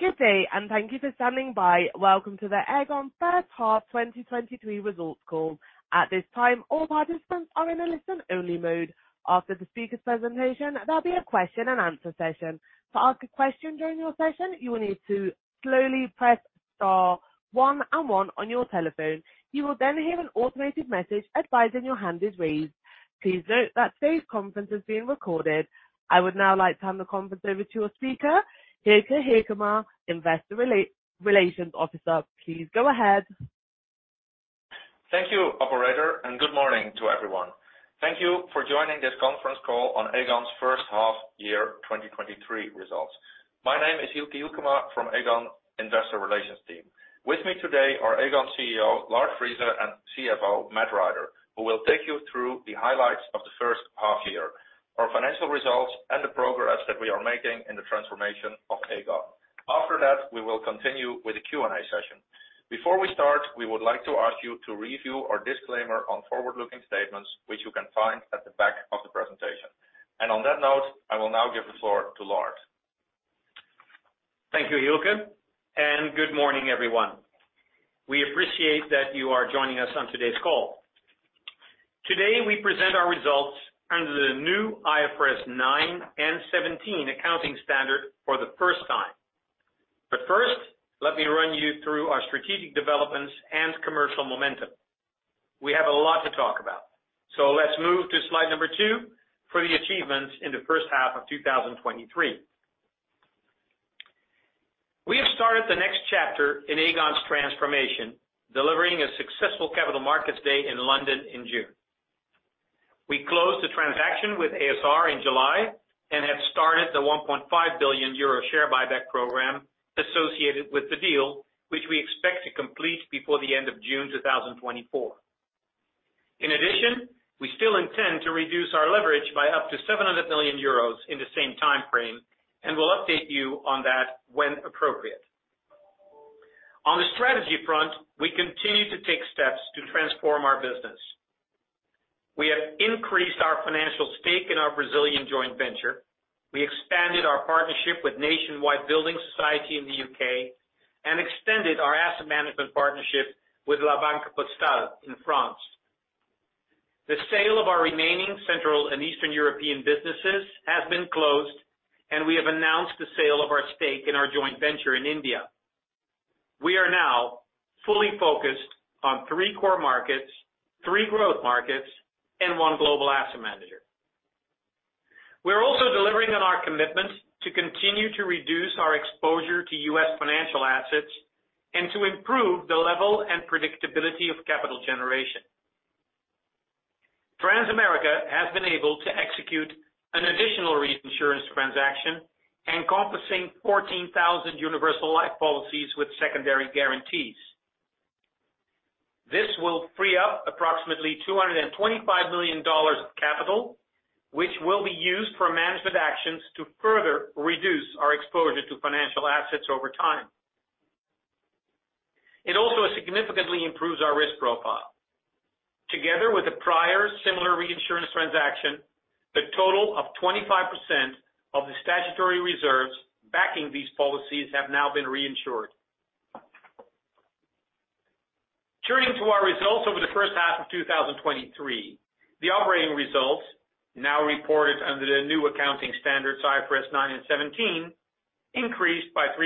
Good day, and thank you for standing by. Welcome to the Aegon first half 2023 results call. At this time, all participants are in a listen-only mode. After the speaker's presentation, there'll be a question-and-answer session. To ask a question during the session, you will need to slowly press star one and one on your telephone. You will then hear an automated message advising your hand is raised. Please note that today's conference is being recorded. I would now like to turn the conference over to our speaker, Hielke Hielkema, Investor Relations Officer. Please go ahead. Thank you, Operator, and good morning to everyone. Thank you for joining this conference call on Aegon's first half year 2023 results. My name is Hielke Hielkema from Aegon Investor Relations team. With me today are Aegon CEO, Lard Friese, and CFO, Matthew Rider, who will take you through the highlights of the first half year, our financial results, and the progress that we are making in the transformation of Aegon. After that, we will continue with the Q&A session. Before we start, we would like to ask you to review our disclaimer on forward-looking statements, which you can find at the back of the presentation. On that note, I will now give the floor to Lard. Thank you, Hielke. Good morning, everyone. We appreciate that you are joining us on today's call. Today, we present our results under the new IFRS 9 and 17 accounting standard for the first time. First, let me run you through our strategic developments and commercial momentum. We have a lot to talk about. Let's move to slide number 2 for the achievements in the first half of 2023. We have started the next chapter in Aegon's transformation, delivering a successful Capital Markets Day in London in June. We closed the transaction with a.s.r. in July and have started the 1.5 billion euro share buyback program associated with the deal, which we expect to complete before the end of June 2024. In addition, we still intend to reduce our leverage by up to 700 million euros in the same time frame, and we'll update you on that when appropriate. On the strategy front, we continue to take steps to transform our business. We have increased our financial stake in our Brazilian joint venture. We expanded our partnership with Nationwide Building Society in the U.K. and extended our asset management partnership with La Banque Postale in France. The sale of our remaining Central and Eastern European businesses has been closed, and we have announced the sale of our stake in our joint venture in India. We are now fully focused on three core markets, three growth markets, and one global asset manager. We're also delivering on our commitment to continue to reduce our exposure to U.S. financial assets and to improve the level and predictability of capital generation. Transamerica has been able to execute an additional reinsurance transaction encompassing 14,000 universal life policies with secondary guarantees. This will free up approximately $225 million of capital, which will be used for management actions to further reduce our exposure to financial assets over time. It also significantly improves our risk profile. Together with a prior similar reinsurance transaction, the total of 25% of the statutory reserves backing these policies have now been reinsured. Turning to our results over the first half of 2023, the operating results, now reported under the new accounting standards, IFRS 9 and 17, increased by 3%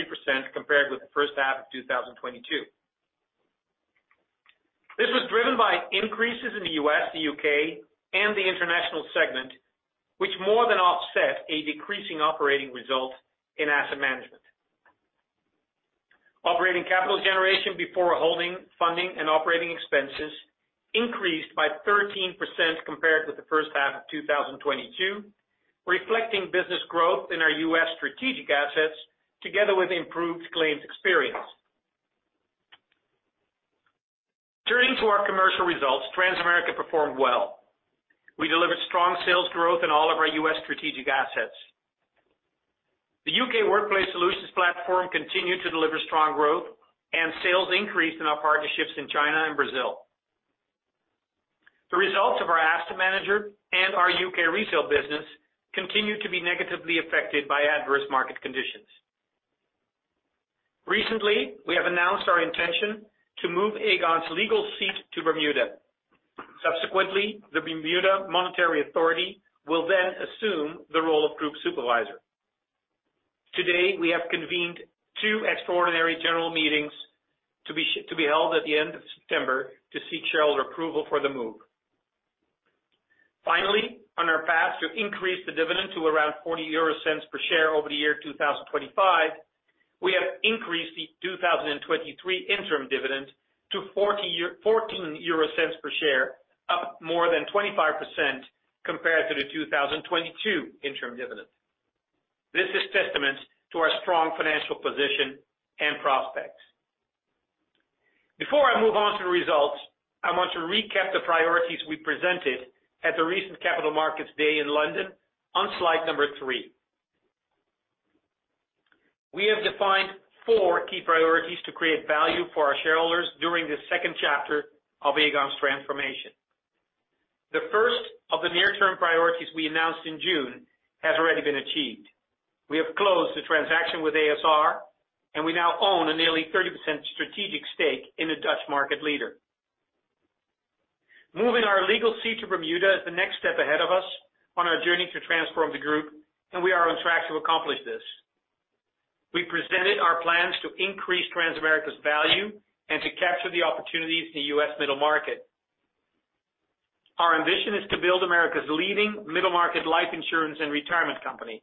compared with the first half of 2022. This was driven by increases in the U.S., the U.K., and the international segment, which more than offset a decreasing operating result in asset management. Operating capital generation before holding, funding, and operating expenses increased by 13% compared with the first half of 2022, reflecting business growth in our U.S. strategic assets together with improved claims experience. Turning to our commercial results, Transamerica performed well. We delivered strong sales growth in all of our U.S. strategic assets. The U.K. Workplace Solutions platform continued to deliver strong growth, and sales increased in our partnerships in China and Brazil. The results of our asset manager and our U.K. retail business continued to be negatively affected by adverse market conditions. Recently, we have announced our intention to move Aegon's legal seat to Bermuda. Subsequently, the Bermuda Monetary Authority will then assume the role of group supervisor. Today, we have convened 2 extraordinary general meetings to be held at the end of September to seek shareholder approval for the move. Finally, on our path to increase the dividend to around 0.40 per share over the year 2025, we have increased the 2023 interim dividend to 0.14 per share, up more than 25% compared to the 2022 interim dividend. This is testament to our strong financial position and prospects. Before I move on to the results, I want to recap the priorities we presented at the recent Capital Markets Day in London on slide number three. We have defined four key priorities to create value for our shareholders during this second chapter of Aegon's transformation. The first of the near-term priorities we announced in June has already been achieved. We have closed the transaction with a.s.r., we now own a nearly 30% strategic stake in a Dutch market leader. Moving our legal seat to Bermuda is the next step ahead of us on our journey to transform the group. We are on track to accomplish this. We presented our plans to increase Transamerica's value and to capture the opportunities in the U.S. middle market. Our ambition is to build America's leading middle-market life insurance and retirement company.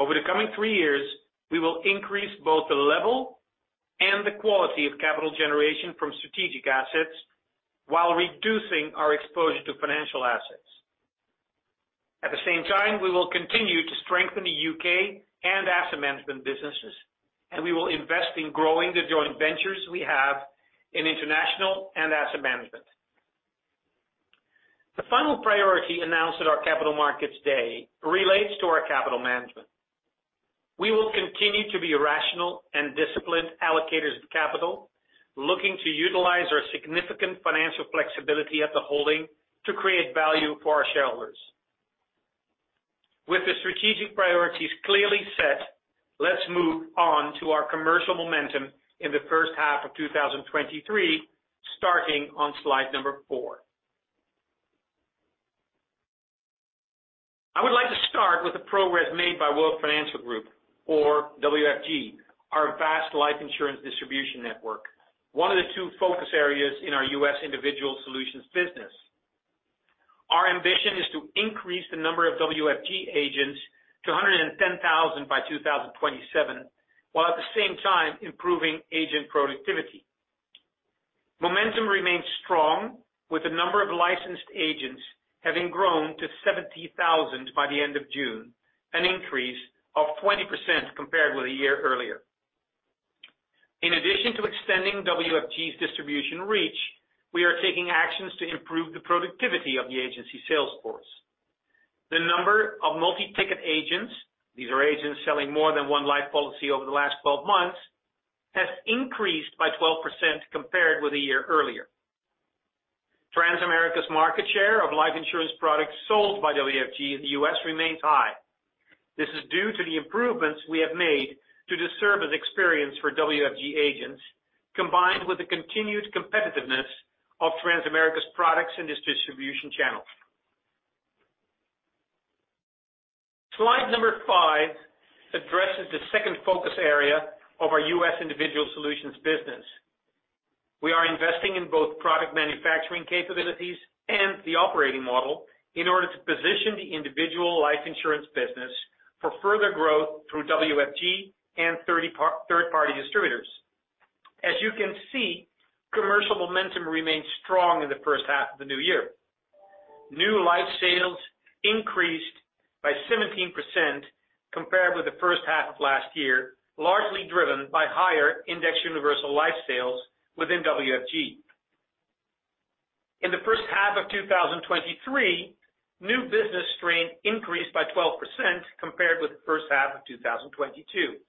Over the coming three years, we will increase both the level and the quality of capital generation from strategic assets while reducing our exposure to financial assets. At the same time, we will continue to strengthen the U.K. and asset management businesses. We will invest in growing the joint ventures we have in international and asset management. The final priority announced at our Capital Markets Day relates to our capital management. We will continue to be rational and disciplined allocators of capital, looking to utilize our significant financial flexibility at the holding to create value for our shareholders. With the strategic priorities clearly set, let's move on to our commercial momentum in the first half of 2023, starting on slide four. I would like to start with the progress made by World Financial Group or WFG, our vast life insurance distribution network, one of the two focus areas in our U.S. individual solutions business. Our ambition is to increase the number of WFG agents to 110,000 by 2027, while at the same time improving agent productivity. Momentum remains strong, with the number of licensed agents having grown to 70,000 by the end of June, an increase of 20% compared with a year earlier. In addition to extending WFG's distribution reach, we are taking actions to improve the productivity of the agency sales force. The number of multi-ticket agents, these are agents selling more than 1 life policy over the last 12 months, has increased by 12% compared with a year earlier. Transamerica's market share of life insurance products sold by WFG in the U.S. remains high. This is due to the improvements we have made to the service experience for WFG agents, combined with the continued competitiveness of Transamerica's products in this distribution channel. Slide number five addresses the second focus area of our U.S. individual solutions business. We are investing in both product manufacturing capabilities and the operating model in order to position the individual life insurance business for further growth through WFG and third-party distributors. As you can see, commercial momentum remains strong in the first half of the new year. New life sales increased by 17% compared with the first half of last year, largely driven by higher index universal life sales within WFG. In the first half of 2023, new business stream increased by 12% compared with the first half of 2022,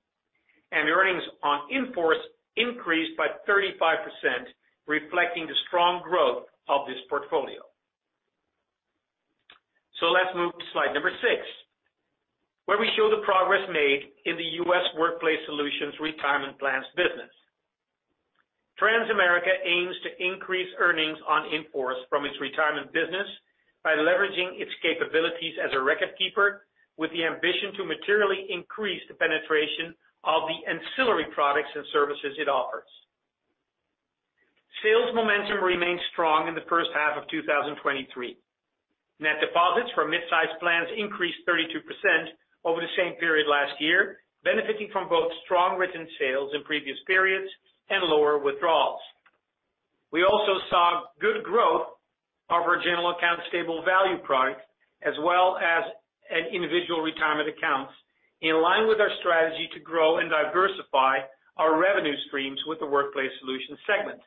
and earnings on in-force increased by 35%, reflecting the strong growth of this portfolio. Let's move to slide six, where we show the progress made in the U.S. Workplace Solutions retirement plans business. Transamerica aims to increase earnings on in-force from its retirement business by leveraging its capabilities as a record keeper, with the ambition to materially increase the penetration of the ancillary products and services it offers. Sales momentum remained strong in the first half of 2023. Net deposits from mid-size plans increased 32% over the same period last year, benefiting from both strong written sales in previous periods and lower withdrawals. We also saw good growth of our general account stable value product, as well as an individual retirement accounts, in line with our strategy to grow and diversify our revenue streams with the Workplace Solutions segment.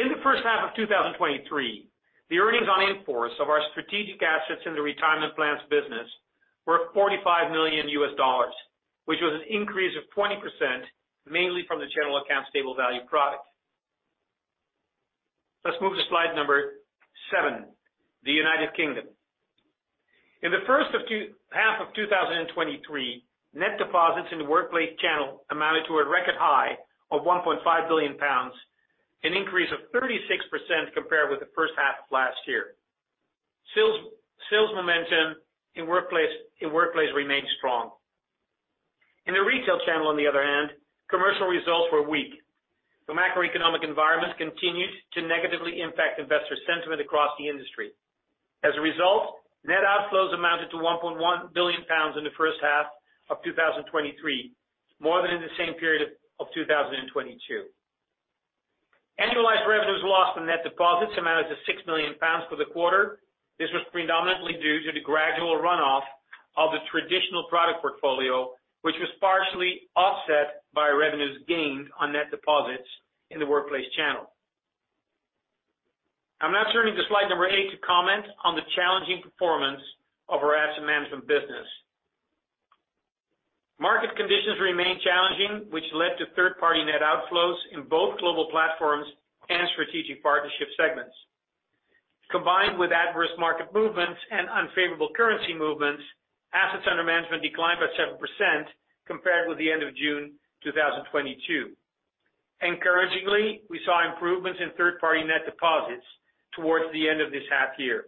In the first half of 2023, the earnings on in-force of our strategic assets in the retirement plans business were $45 million, which was an increase of 20%, mainly from the general account stable value product. Let's move to slide number seven, the United Kingdom. In the half of 2023, net deposits in the workplace channel amounted to a record high of 1.5 billion pounds, an increase of 36% compared with the first half of last year. Sales momentum in workplace remained strong. In the retail channel, on the other hand, commercial results were weak. The macroeconomic environment continued to negatively impact investor sentiment across the industry. As a result, net outflows amounted to 1.1 billion pounds in the first half of 2023, more than in the same period of 2022. Annualized revenues lost from net deposits amounted to 6 million pounds for the quarter. This was predominantly due to the gradual runoff of the traditional product portfolio, which was partially offset by revenues gained on net deposits in the workplace channel. I'm now turning to slide number 8 to comment on the challenging performance of our asset management business. Market conditions remain challenging, which led to third-party net outflows in both global platforms and strategic partnership segments. Combined with adverse market movements and unfavorable currency movements, assets under management declined by 7% compared with the end of June, 2022. Encouragingly, we saw improvements in third-party net deposits towards the end of this half year.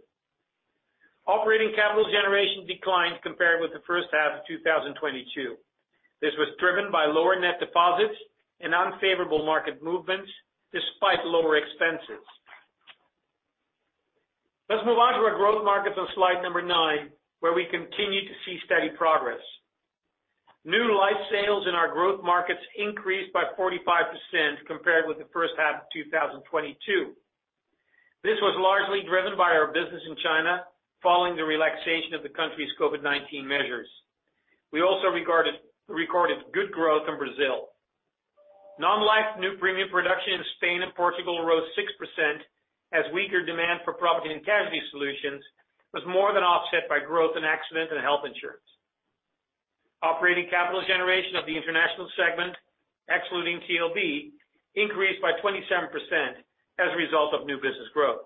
Operating capital generation declined compared with the first half of 2022. This was driven by lower net deposits and unfavorable market movements, despite lower expenses. Let's move on to our growth markets on slide number 9, where we continue to see steady progress. New life sales in our growth markets increased by 45% compared with the first half of 2022. This was largely driven by our business in China, following the relaxation of the country's COVID-19 measures. We also recorded good growth in Brazil. Non-life new premium production in Spain and Portugal rose 6%, as weaker demand for property and casualty solutions was more than offset by growth in accident and health insurance. Operating capital generation of the international segment, excluding TLB, increased by 27% as a result of new business growth.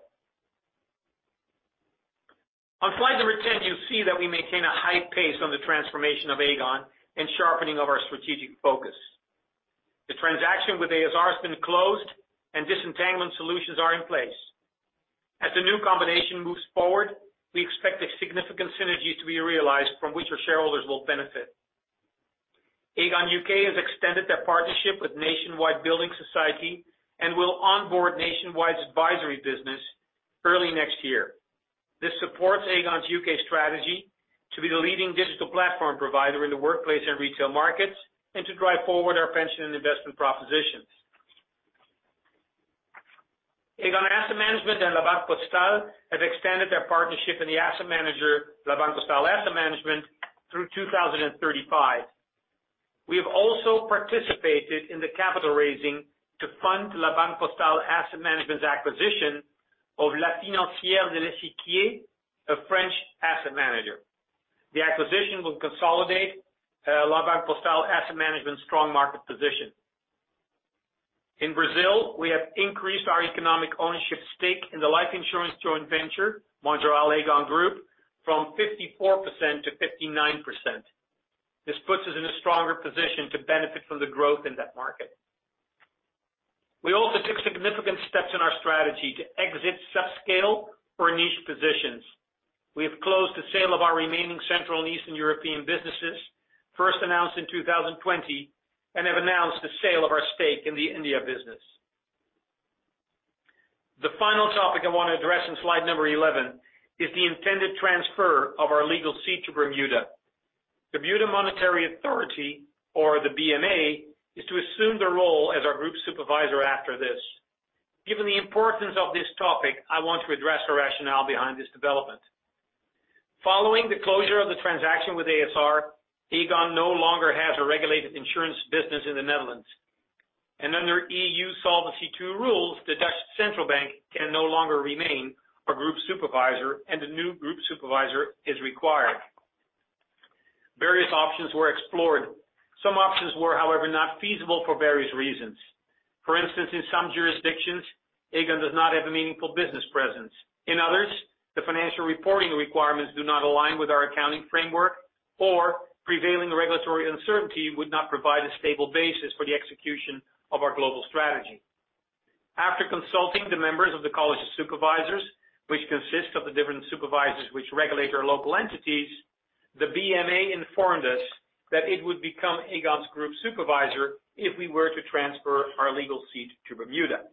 On slide number 10, you'll see that we maintain a high pace on the transformation of Aegon and sharpening of our strategic focus. The transaction with a.s.r. has been closed, and disentanglement solutions are in place. The new combination moves forward, we expect a significant synergy to be realized from which our shareholders will benefit. Aegon U.K. has extended their partnership with Nationwide Building Society and will onboard Nationwide's advisory business early next year. This supports Aegon U.K. strategy to be the leading digital platform provider in the workplace and retail markets, and to drive forward our pension and investment propositions. Aegon Asset Management and La Banque Postale have extended their partnership in the asset manager, La Banque Postale Asset Management, through 2035. We have also participated in the capital raising to fund La Banque Postale Asset Management's acquisition of La Financière de l'Echiquier, a French asset manager. The acquisition will consolidate La Banque Postale Asset Management's strong market position. In Brazil, we have increased our economic ownership stake in the life insurance joint venture, Mongeral Aegon Group, from 54% to 59%. This puts us in a stronger position to benefit from the growth in that market. We also took significant steps in our strategy to exit subscale or niche positions. We have closed the sale of our remaining Central and Eastern European businesses, first announced in 2020, and have announced the sale of our stake in the India business. The final topic I want to address in slide 11 is the intended transfer of our legal seat to Bermuda. Bermuda Monetary Authority, or the BMA, is to assume the role as our group supervisor after this. Given the importance of this topic, I want to address the rationale behind this development. Following the closure of the transaction with a.s.r., Aegon no longer has a regulated insurance business in the Netherlands, and under EU Solvency II rules, the De Nederlandsche Bank can no longer remain our group supervisor, and a new group supervisor is required. Various options were explored. Some options were, however, not feasible for various reasons. For instance, in some jurisdictions, Aegon does not have a meaningful business presence. In others, the financial reporting requirements do not align with our accounting framework, or prevailing regulatory uncertainty would not provide a stable basis for the execution of our global strategy. After consulting the members of the College of Supervisors, which consists of the different supervisors which regulate our local entities, the BMA informed us that it would become Aegon's group supervisor if we were to transfer our legal seat to Bermuda.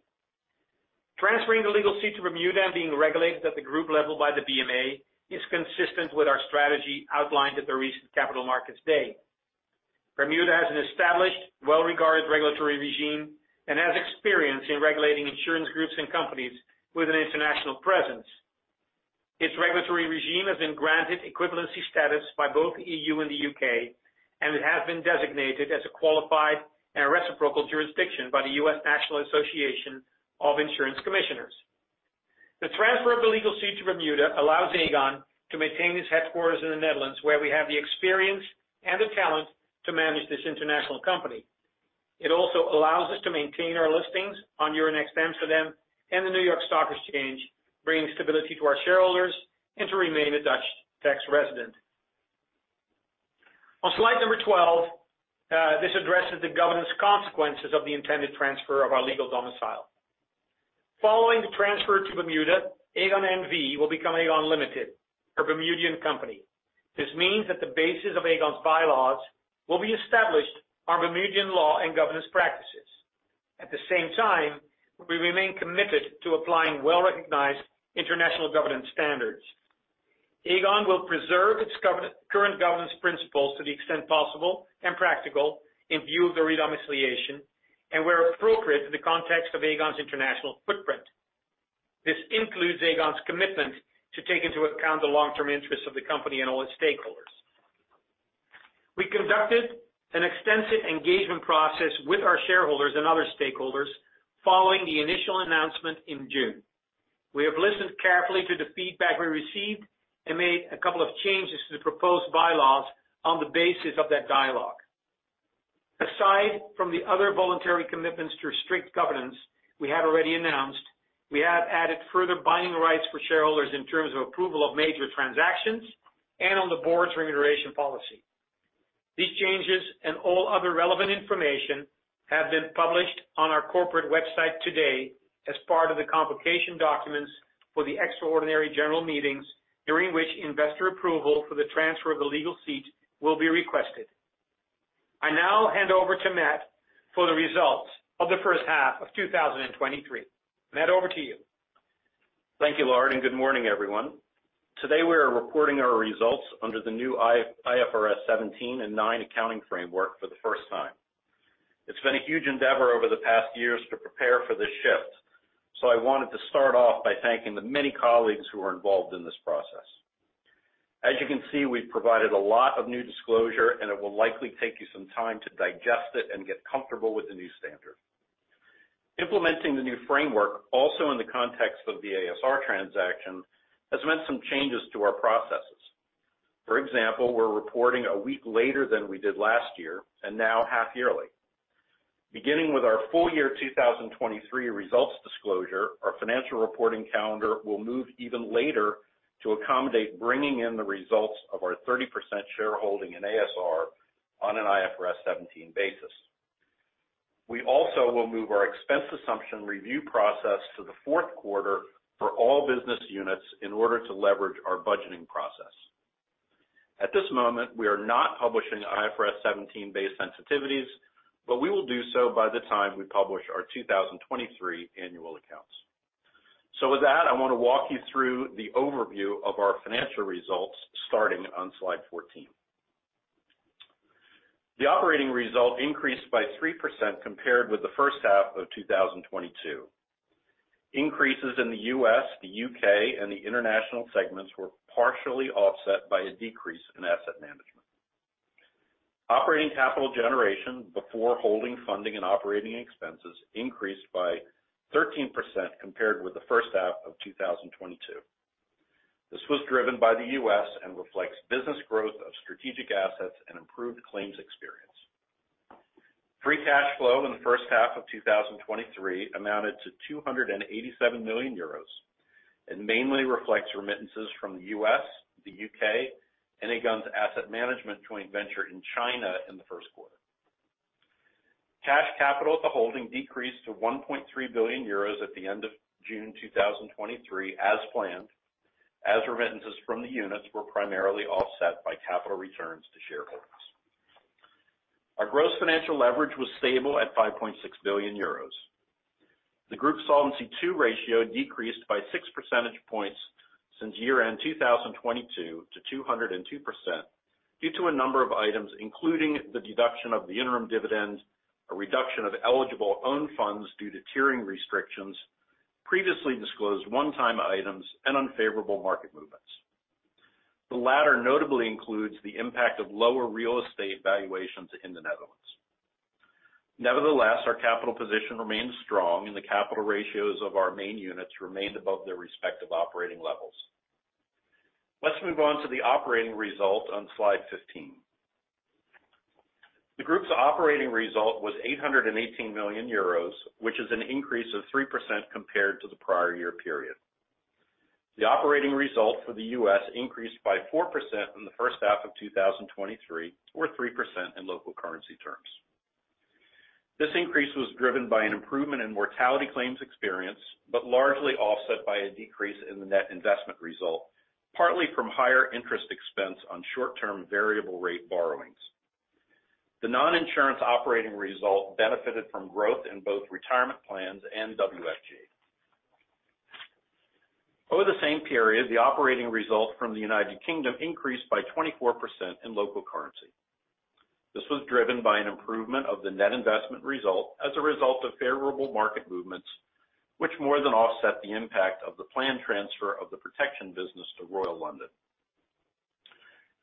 Transferring the legal seat to Bermuda and being regulated at the group level by the BMA is consistent with our strategy outlined at the recent Capital Markets Day. Bermuda has an established, well-regarded regulatory regime and has experience in regulating insurance groups and companies with an international presence. Its regulatory regime has been granted equivalency status by both the EU and the U.K.. It has been designated as a qualified and reciprocal jurisdiction by the U.S. National Association of Insurance Commissioners. The transfer of the legal seat to Bermuda allows Aegon to maintain its headquarters in the Netherlands, where we have the experience and the talent to manage this international company. It also allows us to maintain our listings on Euronext Amsterdam and the New York Stock Exchange, bringing stability to our shareholders and to remain a Dutch tax resident. On slide number 12, this addresses the governance consequences of the intended transfer of our legal domicile. Following the transfer to Bermuda, Aegon NV will become Aegon Ltd., a Bermudian company. This means that the basis of Aegon's bylaws will be established on Bermudian law and governance practices. At the same time, we remain committed to applying well-recognized international governance standards. Aegon will preserve its current governance principles to the extent possible and practical in view of the re-domiciliation and where appropriate in the context of Aegon's international footprint. This includes Aegon's commitment to take into account the long-term interests of the company and all its stakeholders. We conducted an extensive engagement process with our shareholders and other stakeholders following the initial announcement in June. We have listened carefully to the feedback we received and made a couple of changes to the proposed bylaws on the basis of that dialogue. Aside from the other voluntary commitments to restrict governance we have already announced, we have added further buying rights for shareholders in terms of approval of major transactions and on the board's remuneration policy. These changes and all other relevant information have been published on our corporate website today as part of the complication documents for the extraordinary general meetings, during which investor approval for the transfer of the legal seat will be requested. I now hand over to Matt for the results of the first half of 2023. Matt, over to you. Thank you, Lard, and good morning, everyone. Today, we are reporting our results under the new IFRS 17 and IFRS 9 accounting framework for the first time. It's been a huge endeavor over the past years to prepare for this shift, so I wanted to start off by thanking the many colleagues who are involved in this process. As you can see, we've provided a lot of new disclosure, and it will likely take you some time to digest it and get comfortable with the new standard. Implementing the new framework, also in the context of the a.s.r. transaction, has meant some changes to our processes. For example, we're reporting a week later than we did last year and now half yearly. Beginning with our full year 2023 results disclosure, our financial reporting calendar will move even later to accommodate bringing in the results of our 30% shareholding in a.s.r. on an IFRS 17 basis. We also will move our expense assumption review process to the fourth quarter for all business units in order to leverage our budgeting process. At this moment, we are not publishing IFRS 17-based sensitivities, we will do so by the time we publish our 2023 annual accounts. With that, I want to walk you through the overview of our financial results, starting on slide 14. The operating result increased by 3% compared with the first half of 2022. Increases in the U.S., the U.K., and the international segments were partially offset by a decrease in asset management. Operating capital generation before holding, funding, and operating expenses increased by 13% compared with the first half of 2022. This was driven by the U.S. and reflects business growth of strategic assets and improved claims experience. Free cash flow in the first half of 2023 amounted to 287 million euros, mainly reflects remittances from the U.S., the U.K., and Aegon's Asset Management joint venture in China in the first quarter. Cash capital at the holding decreased to 1.3 billion euros at the end of June 2023 as planned, as remittances from the units were primarily offset by capital returns to shareholders. Our gross financial leverage was stable at 5.6 billion euros. The group Solvency II ratio decreased by six percentage points since year-end 2022 to 202%, due to a number of items, including the deduction of the interim dividend, a reduction of eligible own funds due to tiering restrictions, previously disclosed one-time items, and unfavorable market movements. The latter notably includes the impact of lower real estate valuations in the Netherlands. Nevertheless, our capital position remains strong, and the capital ratios of our main units remained above their respective operating levels. Let's move on to the operating result on slide 15. The group's operating result was 818 million euros, which is an increase of 3% compared to the prior year period. The operating result for the U.S. increased by 4% in the first half of 2023, or 3% in local currency terms. This increase was driven by an improvement in mortality claims experience, but largely offset by a decrease in the net investment result, partly from higher interest expense on short-term variable rate borrowings. The non-insurance operating result benefited from growth in both retirement plans and WFG. Over the same period, the operating result from the United Kingdom increased by 24% in local currency. This was driven by an improvement of the net investment result as a result of favorable market movements, which more than offset the impact of the planned transfer of the protection business to Royal London.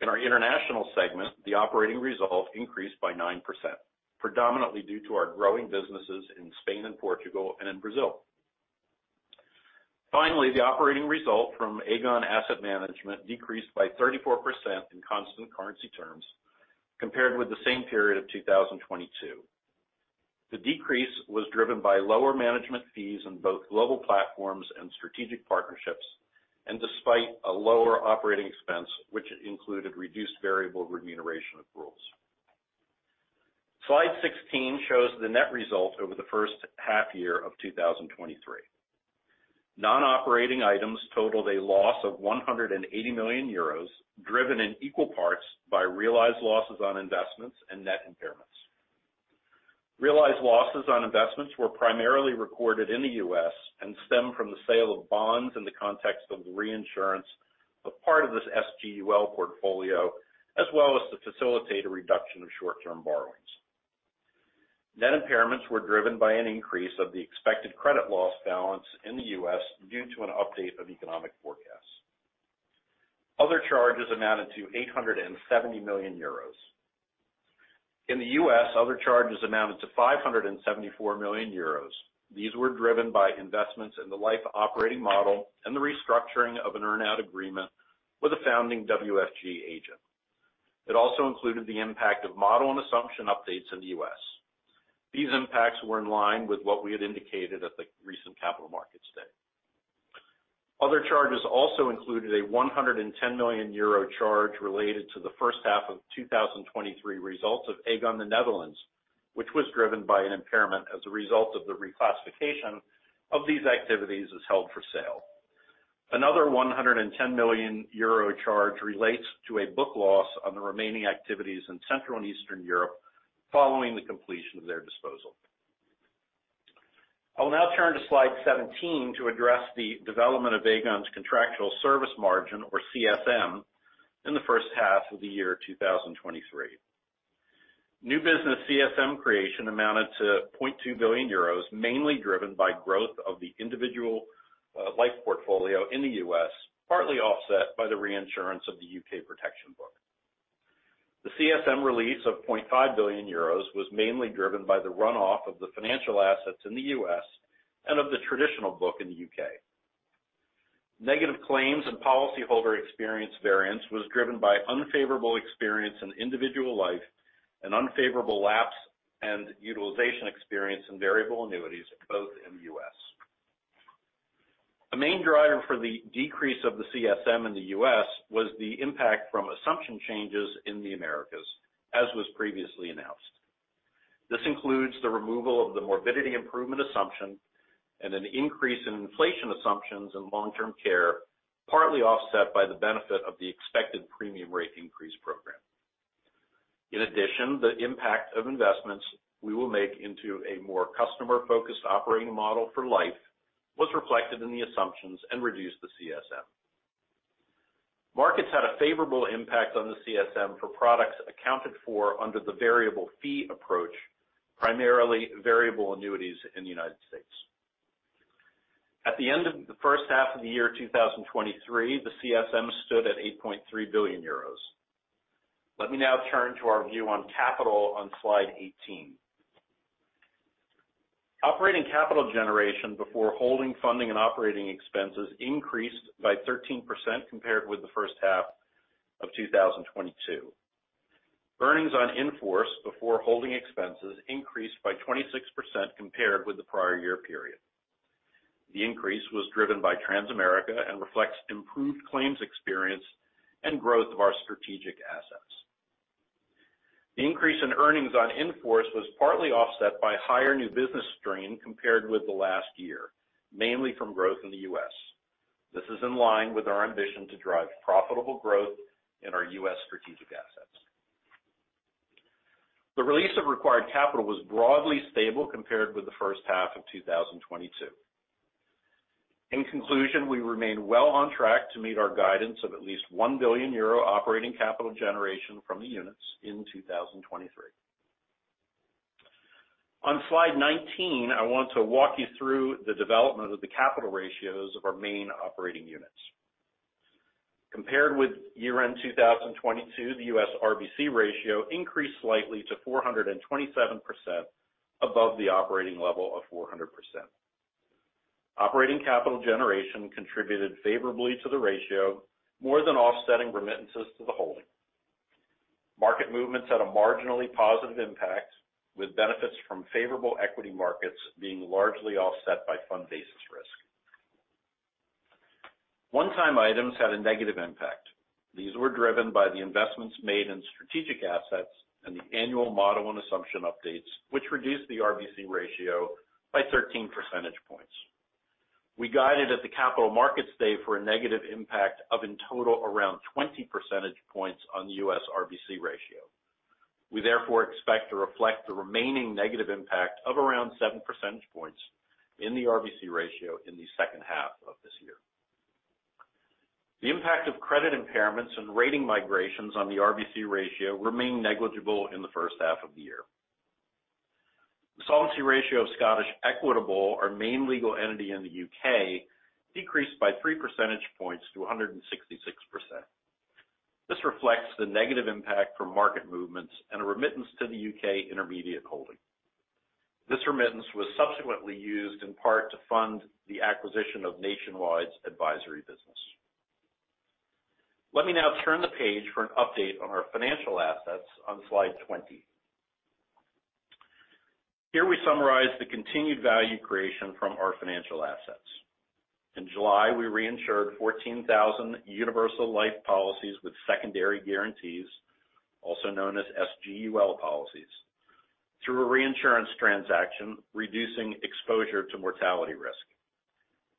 In our international segment, the operating result increased by 9%, predominantly due to our growing businesses in Spain and Portugal and in Brazil. Finally, the operating result from Aegon Asset Management decreased by 34% in constant currency terms compared with the same period of 2022. The decrease was driven by lower management fees in both global platforms and strategic partnerships, despite a lower operating expense, which included reduced variable remuneration of rules. Slide 16 shows the net result over the first half year of 2023. Non-operating items totaled a loss of 180 million euros, driven in equal parts by realized losses on investments and net impairments. Realized losses on investments were primarily recorded in the U.S. and stemmed from the sale of bonds in the context of the reinsurance of part of this SGUL portfolio, as well as to facilitate a reduction of short-term borrowings. Net impairments were driven by an increase of the expected credit loss balance in the U.S. due to an update of economic forecasts. Other charges amounted to 870 million euros. In the U.S., other charges amounted to 574 million euros. These were driven by investments in the life operating model and the restructuring of an earn-out agreement with a founding WFG agent. It also included the impact of model and assumption updates in the U.S. These impacts were in line with what we had indicated at the recent Capital Markets Day. Other charges also included a 110 million euro charge related to the first half of 2023 results of Aegon Nederland, which was driven by an impairment as a result of the reclassification of these activities as held for sale. Another 110 million euro charge relates to a book loss on the remaining activities in Central and Eastern Europe following the completion of their disposal. I will now turn to slide 17 to address the development of Aegon's contractual service margin, or CSM, in the first half of the year 2023. New business CSM creation amounted to 0.2 billion euros, mainly driven by growth of the individual life portfolio in the U.S., partly offset by the reinsurance of the U.K. protection book. The CSM release of 0.5 billion euros was mainly driven by the runoff of the financial assets in the U.S. and of the traditional book in the U.K.. Negative claims and policyholder experience variance was driven by unfavorable experience in individual life and unfavorable lapse and utilization experience in variable annuities, both in the U.S.. A main driver for the decrease of the CSM in the U.S. was the impact from assumption changes in the Americas, as was previously announced. This includes the removal of the morbidity improvement assumption and an increase in inflation assumptions in long-term care, partly offset by the benefit of the expected premium rate increase program. In addition, the impact of investments we will make into a more customer-focused operating model for life was reflected in the assumptions and reduced the CSM. Markets had a favorable impact on the CSM for products accounted for under the variable fee approach, primarily variable annuities in the United States. At the end of the first half of the year 2023, the CSM stood at 8.3 billion euros. Let me now turn to our view on capital on slide 18. Operating capital generation before holding, funding, and operating expenses increased by 13% compared with the first half of 2022. Earnings on in-force before holding expenses increased by 26% compared with the prior year period. The increase was driven by Transamerica and reflects improved claims experience and growth of our strategic assets. The increase in earnings on in-force was partly offset by higher new business strain compared with the last year, mainly from growth in the U.S.. This is in line with our ambition to drive profitable growth in our U.S. strategic assets. The release of required capital was broadly stable compared with the first half of 2022. In conclusion, we remain well on track to meet our guidance of at least 1 billion euro operating capital generation from the units in 2023. On Slide 19, I want to walk you through the development of the capital ratios of our main operating units. Compared with year-end 2022, the U.S. RBC ratio increased slightly to 427%, above the operating level of 400%. Operating capital generation contributed favorably to the ratio, more than offsetting remittances to the holding. Market movements had a marginally positive impact, with benefits from favorable equity markets being largely offset by fund basis risk. One-time items had a negative impact. These were driven by the investments made in strategic assets and the annual model and assumption updates, which reduced the RBC ratio by 13 percentage points. We guided at the Capital Markets Day for a negative impact of, in total, around 20 percentage points on the U.S. RBC ratio. We therefore expect to reflect the remaining negative impact of around seven percentage points in the RBC ratio in the second half of this year. The impact of credit impairments and rating migrations on the RBC ratio remain negligible in the first half of the year. The solvency ratio of Scottish Equitable, our main legal entity in the U.K., decreased by 3 percentage points to 166%. This reflects the negative impact from market movements and a remittance to the U.K. intermediate holding. This remittance was subsequently used in part to fund the acquisition of Nationwide's advisory business. Let me now turn the page for an update on our financial assets on Slide 20. Here we summarize the continued value creation from our financial assets. In July, we reinsured 14,000 universal life policies with secondary guarantees, also known as SGUL policies, through a reinsurance transaction, reducing exposure to mortality risk.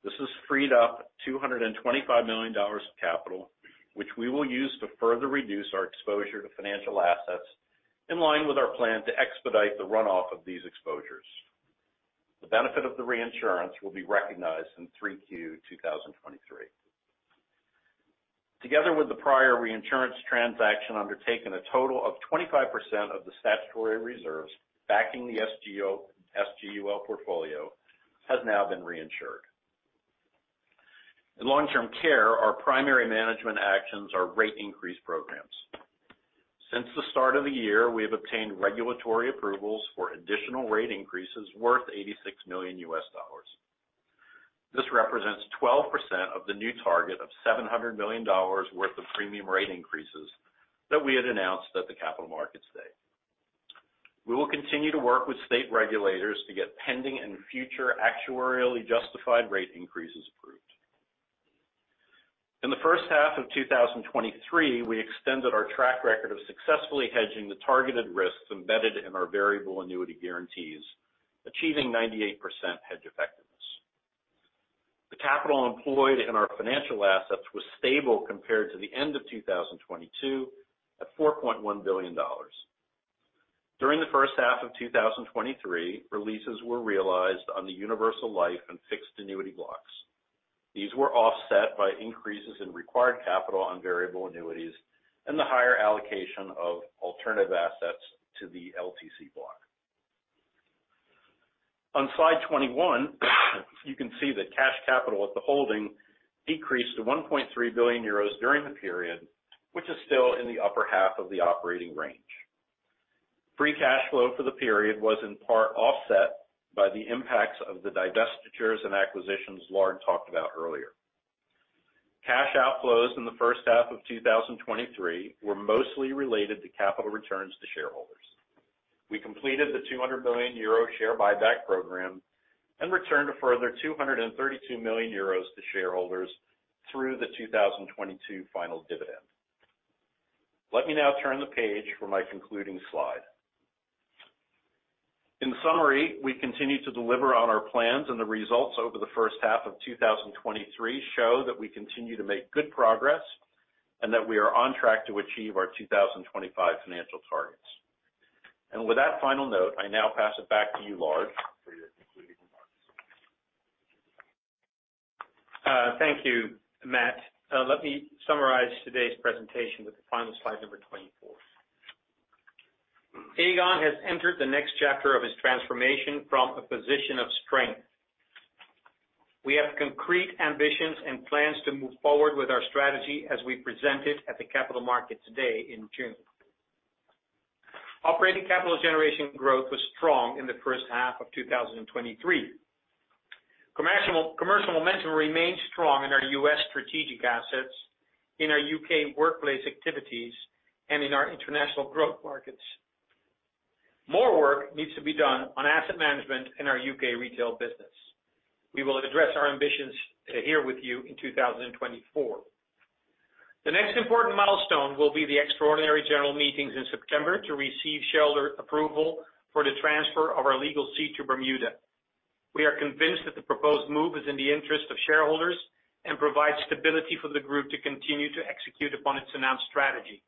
This has freed up $225 million of capital, which we will use to further reduce our exposure to financial assets, in line with our plan to expedite the runoff of these exposures. The benefit of the reinsurance will be recognized in 3Q 2023. Together with the prior reinsurance transaction, undertaken a total of 25% of the statutory reserves backing the SGUL portfolio has now been reinsured. In long-term care, our primary management actions are rate increase programs. Since the start of the year, we have obtained regulatory approvals for additional rate increases worth $86 million. This represents 12% of the new target of $700 million worth of premium rate increases that we had announced at the Capital Markets Day. We will continue to work with state regulators to get pending and future actuarially justified rate increases approved. In the first half of 2023, we extended our track record of successfully hedging the targeted risks embedded in our variable annuity guarantees, achieving 98% hedge effectiveness. The capital employed in our financial assets was stable compared to the end of 2022, at $4.1 billion. During the first half of 2023, releases were realized on the universal life and fixed annuity blocks. These were offset by increases in required capital on variable annuities and the higher allocation of alternative assets to the LTC block. On slide 21, you can see that cash capital at the holding decreased to 1.3 billion euros during the period, which is still in the upper half of the operating range. Free cash flow for the period was in part offset by the impacts of the divestitures and acquisitions Lard talked about earlier. Cash outflows in the first half of 2023 were mostly related to capital returns to shareholders. We completed the 200 million euro share buyback program and returned a further 232 million euros to shareholders through the 2022 final dividend. Let me now turn the page for my concluding slide. In summary, we continue to deliver on our plans, and the results over the first half of 2023 show that we continue to make good progress and that we are on track to achieve our 2025 financial targets. With that final note, I now pass it back to you, Lard, for your concluding remarks. Thank you, Matt. Let me summarize today's presentation with the final slide number 24. Aegon has entered the next chapter of its transformation from a position of strength. We have concrete ambitions and plans to move forward with our strategy as we presented at the Capital Markets Day in June. Operating capital generation growth was strong in the first half of 2023. Commercial momentum remains strong in our U.S. strategic assets, in our U.K. workplace activities, and in our international growth markets. More work needs to be done on asset management in our U.K. retail business. We will address our ambitions here with you in 2024. The next important milestone will be the extraordinary general meetings in September to receive shareholder approval for the transfer of our legal seat to Bermuda. We are convinced that the proposed move is in the interest of shareholders and provides stability for the group to continue to execute upon its announced strategy.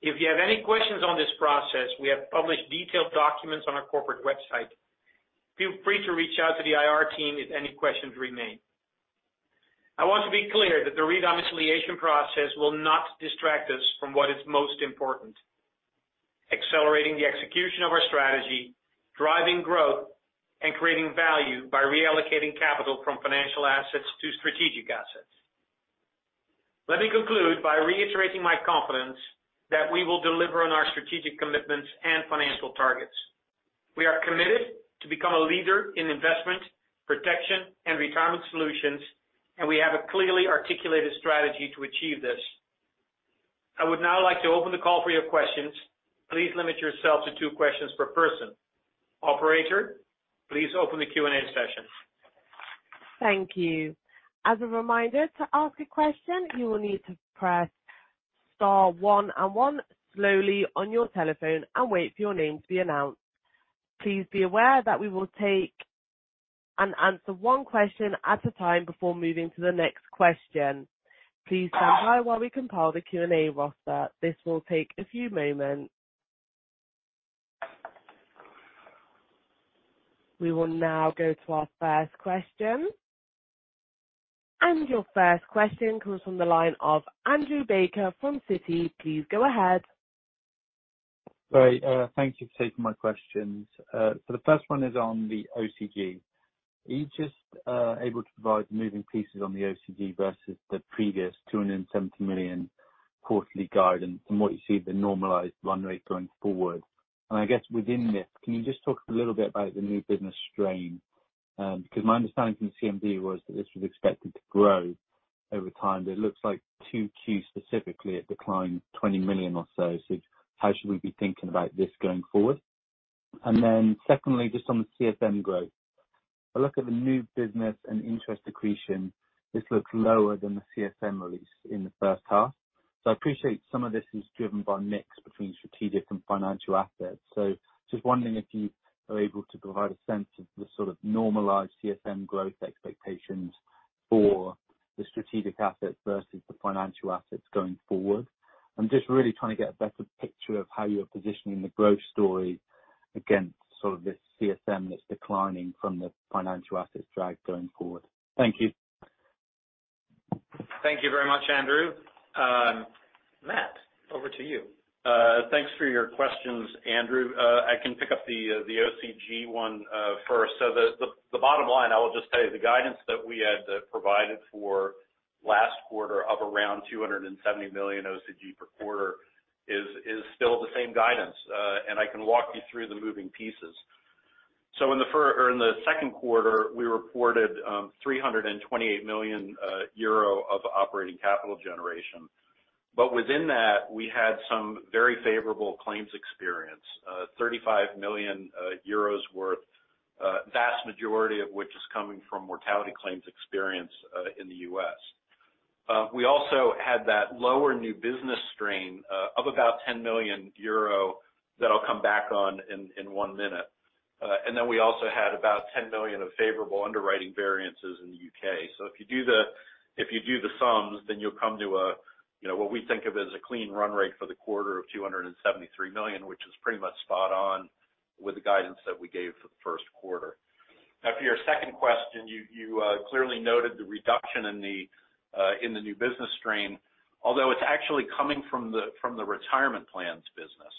If you have any questions on this process, we have published detailed documents on our corporate website. Feel free to reach out to the IR team if any questions remain. I want to be clear that the redomiciliation process will not distract us from what is most important: accelerating the execution of our strategy, driving growth, and creating value by reallocating capital from financial assets to strategic assets. Let me conclude by reiterating my confidence that we will deliver on our strategic commitments and financial targets. We are committed to become a leader in investment, protection, and retirement solutions, and we have a clearly articulated strategy to achieve this. I would now like to open the call for your questions. Please limit yourself to two questions per person. Operator, please open the Q&A session. Thank you. As a reminder, to ask a question, you will need to press star one and one slowly on your telephone and wait for your name to be announced. Please be aware that we will take and answer one question at a time before moving to the next question. Please stand by while we compile the Q&A roster. This will take a few moments. We will now go to our first question. Your first question comes from the line of Andrew Baker from Citigroup. Please go ahead. Great. Thank you for taking my questions. The first one is on the OCG. Are you just able to provide the moving pieces on the OCG versus the previous 270 million quarterly guidance from what you see the normalized run rate going forward? I guess within this, can you just talk a little bit about the new business strain? Because my understanding from the CMD was that this was expected to grow over time, but it looks like 2Q specifically, it declined 20 million or so. How should we be thinking about this going forward? Secondly, just on the CSM growth, a look at the new business and interest accretion, this looks lower than the CSM release in the first half. I appreciate some of this is driven by mix between strategic and financial assets. Just wondering if you are able to provide a sense of the sort of normalized CSM growth expectations for the strategic assets versus the financial assets going forward. I'm just really trying to get a better picture of how you are positioning the growth story against sort of this CSM that's declining from the financial assets drag going forward. Thank you. Thank you very much, Andrew. Matt, over to you. Thanks for your questions, Andrew. I can pick up the OCG one first. The bottom line, I will just tell you, the guidance that we had provided for last quarter of around 270 million OCG per quarter is still the same guidance. I can walk you through the moving pieces. In the second quarter, we reported 328 million euro of operating capital generation. Within that, we had some very favorable claims experience. 35 million euros worth, vast majority of which is coming from mortality claims experience in the U.S.. We also had that lower new business strain of about 10 million euro, that I'll come back on in one minute. We also had about 10 million of favorable underwriting variances in the U.K.. If you do the, if you do the sums, then you'll come to a, you know, what we think of as a clean run rate for the quarter of 273 million, which is pretty much spot on with the guidance that we gave for the first quarter. For your second question, you, you clearly noted the reduction in the new business stream, although it's actually coming from the retirement plans business.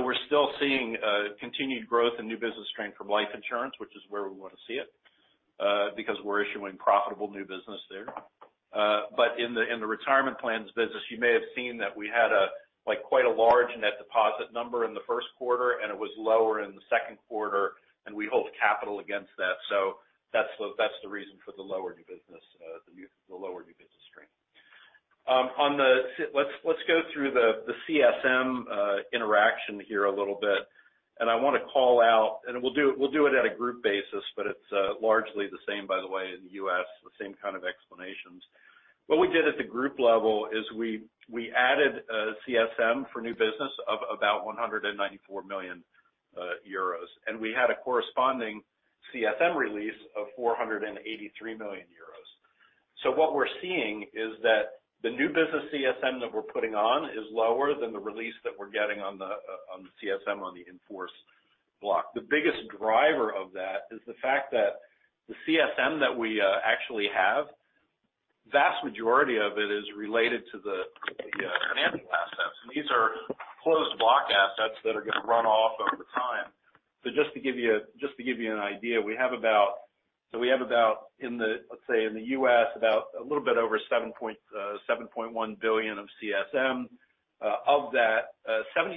We're still seeing continued growth in new business stream from life insurance, which is where we want to see it, because we're issuing profitable new business there. In the, in the retirement plans business, you may have seen that we had a, like, quite a large net deposit number in the first quarter, and it was lower in the second quarter, and we hold capital against that. That's the, that's the reason for the lower new business, the lower new business stream. Let's, let's go through the, the CSM interaction here a little bit. I want to call out, and we'll do it, we'll do it at a group basis, but it's largely the same, by the way, in the U.S., the same kind of explanations. What we did at the group level is we, we added CSM for new business of about 194 million euros, and we had a corresponding CSM release of 483 million euros. What we're seeing is that the new business CSM that we're putting on is lower than the release that we're getting on the CSM, on the in-force block. The biggest driver of that is the fact that the CSM that we actually have, vast majority of it is related to the financial assets. These are closed block assets that are going to run off over time. Just to give you an idea, we have about, in the, let's say, in the US, a little bit over $7.1 billion of CSM. Of that, 72%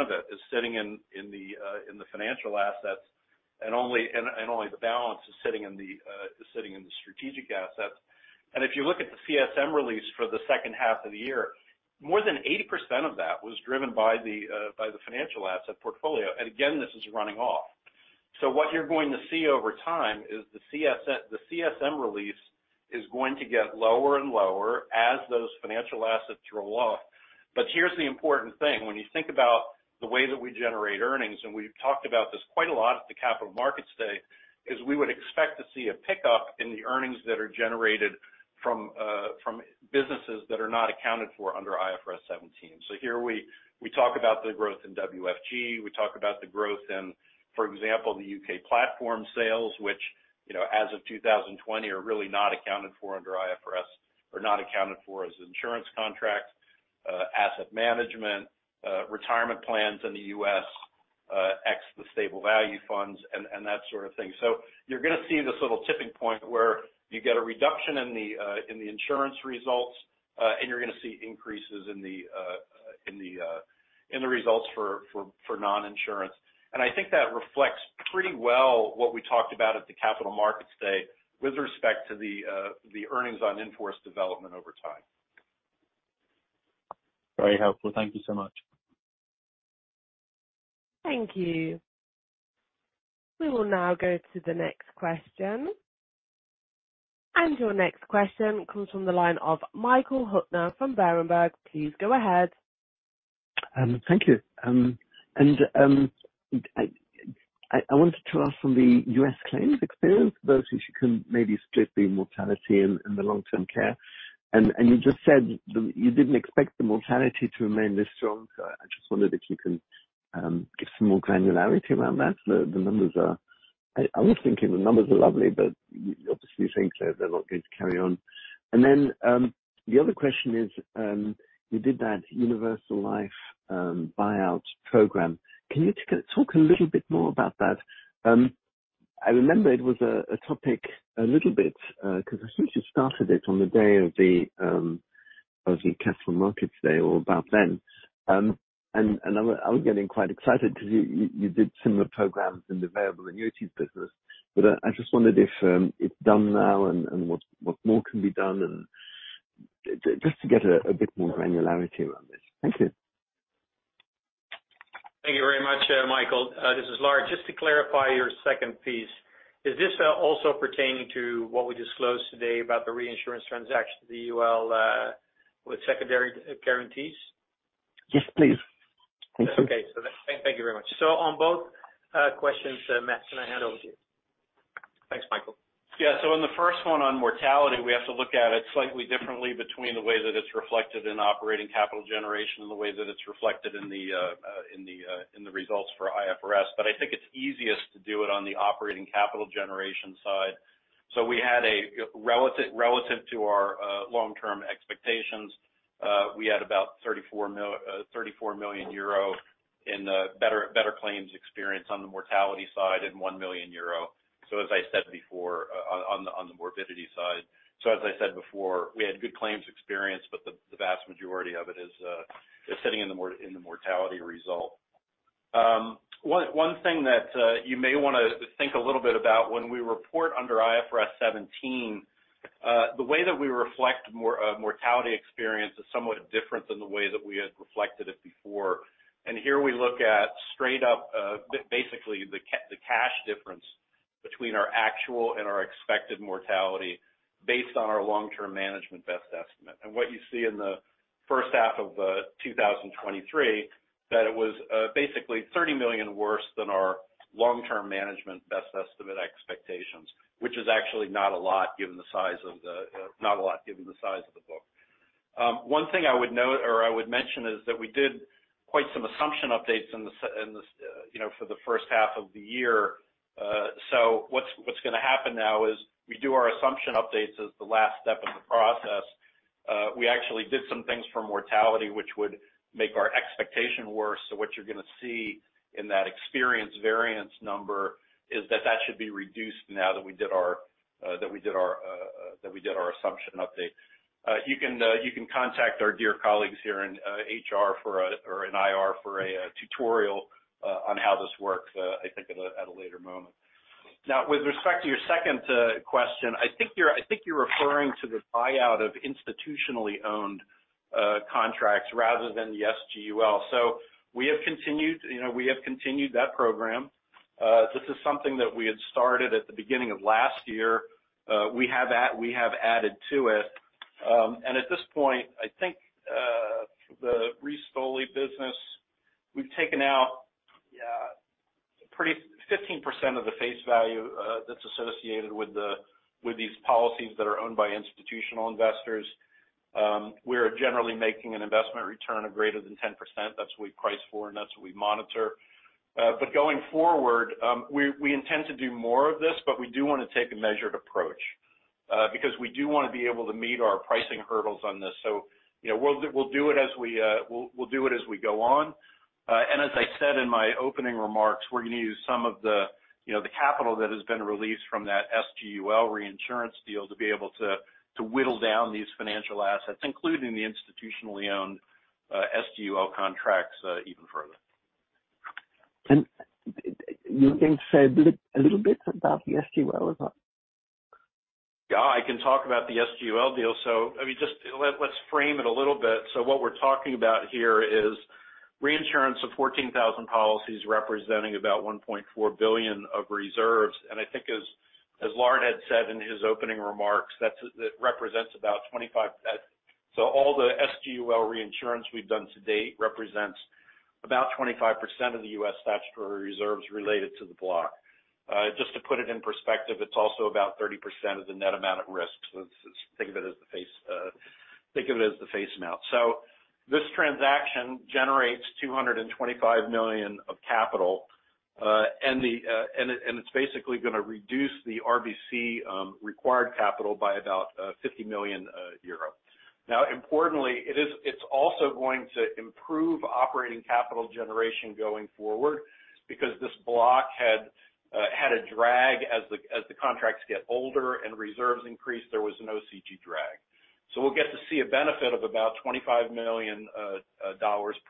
of it is sitting in the financial assets, and only the balance is sitting in the strategic assets. If you look at the CSM release for the second half of the year, more than 80% of that was driven by the financial asset portfolio. Again, this is running off. What you're going to see over time is the CSM release is going to get lower and lower as those financial assets roll off. Here's the important thing: when you think about the way that we generate earnings, and we've talked about this quite a lot at the Capital Markets Day, is we would expect to see a pickup in the earnings that are generated from businesses that are not accounted for under IFRS 17. Here we, we talk about the growth in WFG. We talk about the growth in, for example, the U.K. platform sales, which, you know, as of 2020, are really not accounted for under IFRS or not accounted for as insurance contracts, asset management, retirement plans in the U.S., ex the stable value funds and, and that sort of thing. You're going to see this little tipping point where you get a reduction in the, in the insurance results, and you're going to see increases in the, in the, in the results for, for, for non-insurance. I think that reflects pretty well what we talked about at the Capital Markets Day, with respect to the, the earnings on in-force development over time. Very helpful. Thank you so much. Thank you. We will now go to the next question. Your next question comes from the line of Michael Huttner from Berenberg. Please go ahead. Thank you. I wanted to ask on the US claims experience, but if you can maybe split the mortality and the long-term care. You just said that you didn't expect the mortality to remain this strong, so I just wondered if you can give some more granularity around that. The numbers are... I was thinking the numbers are lovely, but you obviously think they're not going to carry on. The other question is, you did that universal life buyout program. Can you talk a little bit more about that? I remember it was a topic a little bit because I think you started it on the day of the Capital Markets Day or about then. I was, I was getting quite excited because you, you, you did similar programs in the variable annuities business. I just wondered if, it's done now and, and what, what more can be done? Just to get a, a bit more granularity around this. Thank you. Thank you very much, Michael. This is Lard. Just to clarify your second piece, is this also pertaining to what we disclosed today about the reinsurance transaction, the UL, with secondary guarantees? Yes, please. Thank you. Okay. Thank you very much. On both questions, Matt, can I hand it over to you? Thanks, Michael. On the first one, on mortality, we have to look at it slightly differently, between the way that it's reflected in operating capital generation and the way that it's reflected in the results for IFRS. I think it's easiest to do it on the operating capital generation side. We had a relative, relative to our long-term expectations, we had about 34 million euro in the better, better claims experience on the mortality side and 1 million euro. As I said before, on the morbidity side. As I said before, we had good claims experience, but the vast majority of it is sitting in the mortality result. One thing that you may wanna think a little bit about when we report under IFRS 17, the way that we reflect mortality experience is somewhat different than the way that we had reflected it before. Here we look at straight up, basically the cash difference between our actual and our expected mortality based on our long-term management best estimate. What you see in the first half of 2023, that it was basically 30 million worse than our long-term management best estimate expectations, which is actually not a lot, given the size of the book. One thing I would note, or I would mention, is that we did quite some assumption updates in the, you know, for the first half of the year. What's, what's gonna happen now is we do our assumption updates as the last step in the process. We actually did some things for mortality, which would make our expectation worse. What you're gonna see in that experience variance number is that that should be reduced now that we did our, that we did our, that we did our assumption update. You can, you can contact our dear colleagues here in HR for a, or in IR for a, tutorial on how this works, I think at a, at a later moment. Now, with respect to your second question, I think you're, I think you're referring to the buyout of institutionally owned contracts rather than the SGUL. We have continued, you know, we have continued that program. This is something that we had started at the beginning of last year. We have added to it. At this point, I think, the ReStoli business, we've taken out pretty 15% of the face value that's associated with these policies that are owned by institutional investors. We're generally making an investment return of greater than 10%. That's what we price for, and that's what we monitor. Going forward, we, we intend to do more of this, but we do want to take a measured approach, because we do want to be able to meet our pricing hurdles on this. You know, we'll, we'll do it as we, we'll, we'll do it as we go on. As I said in my opening remarks, we're gonna use some of the, you know, the capital that has been released from that SGUL reinsurance deal to be able to, to whittle down these financial assets, including the institutionally owned, SGUL contracts, even further. You can say a little bit about the SGUL, or not? Yeah, I can talk about the SGUL deal. I mean, just let's frame it a little bit. What we're talking about here is reinsurance of 14,000 policies representing about 1.4 billion of reserves. I think as, as Lard had said in his opening remarks, that's, it represents about 25%. All the SGUL reinsurance we've done to date represents about 25% of the U.S. statutory reserves related to the block. Just to put it in perspective, it's also about 30% of the net amount at risk. Think of it as the face, think of it as the face amount. This transaction generates $225 million of capital, and the, and it, and it's basically gonna reduce the RBC required capital by about 50 million euro. Importantly, it's also going to improve operating capital generation going forward because this block had a drag as the contracts get older and reserves increased, there was an OCG drag. We'll get to see a benefit of about $25 million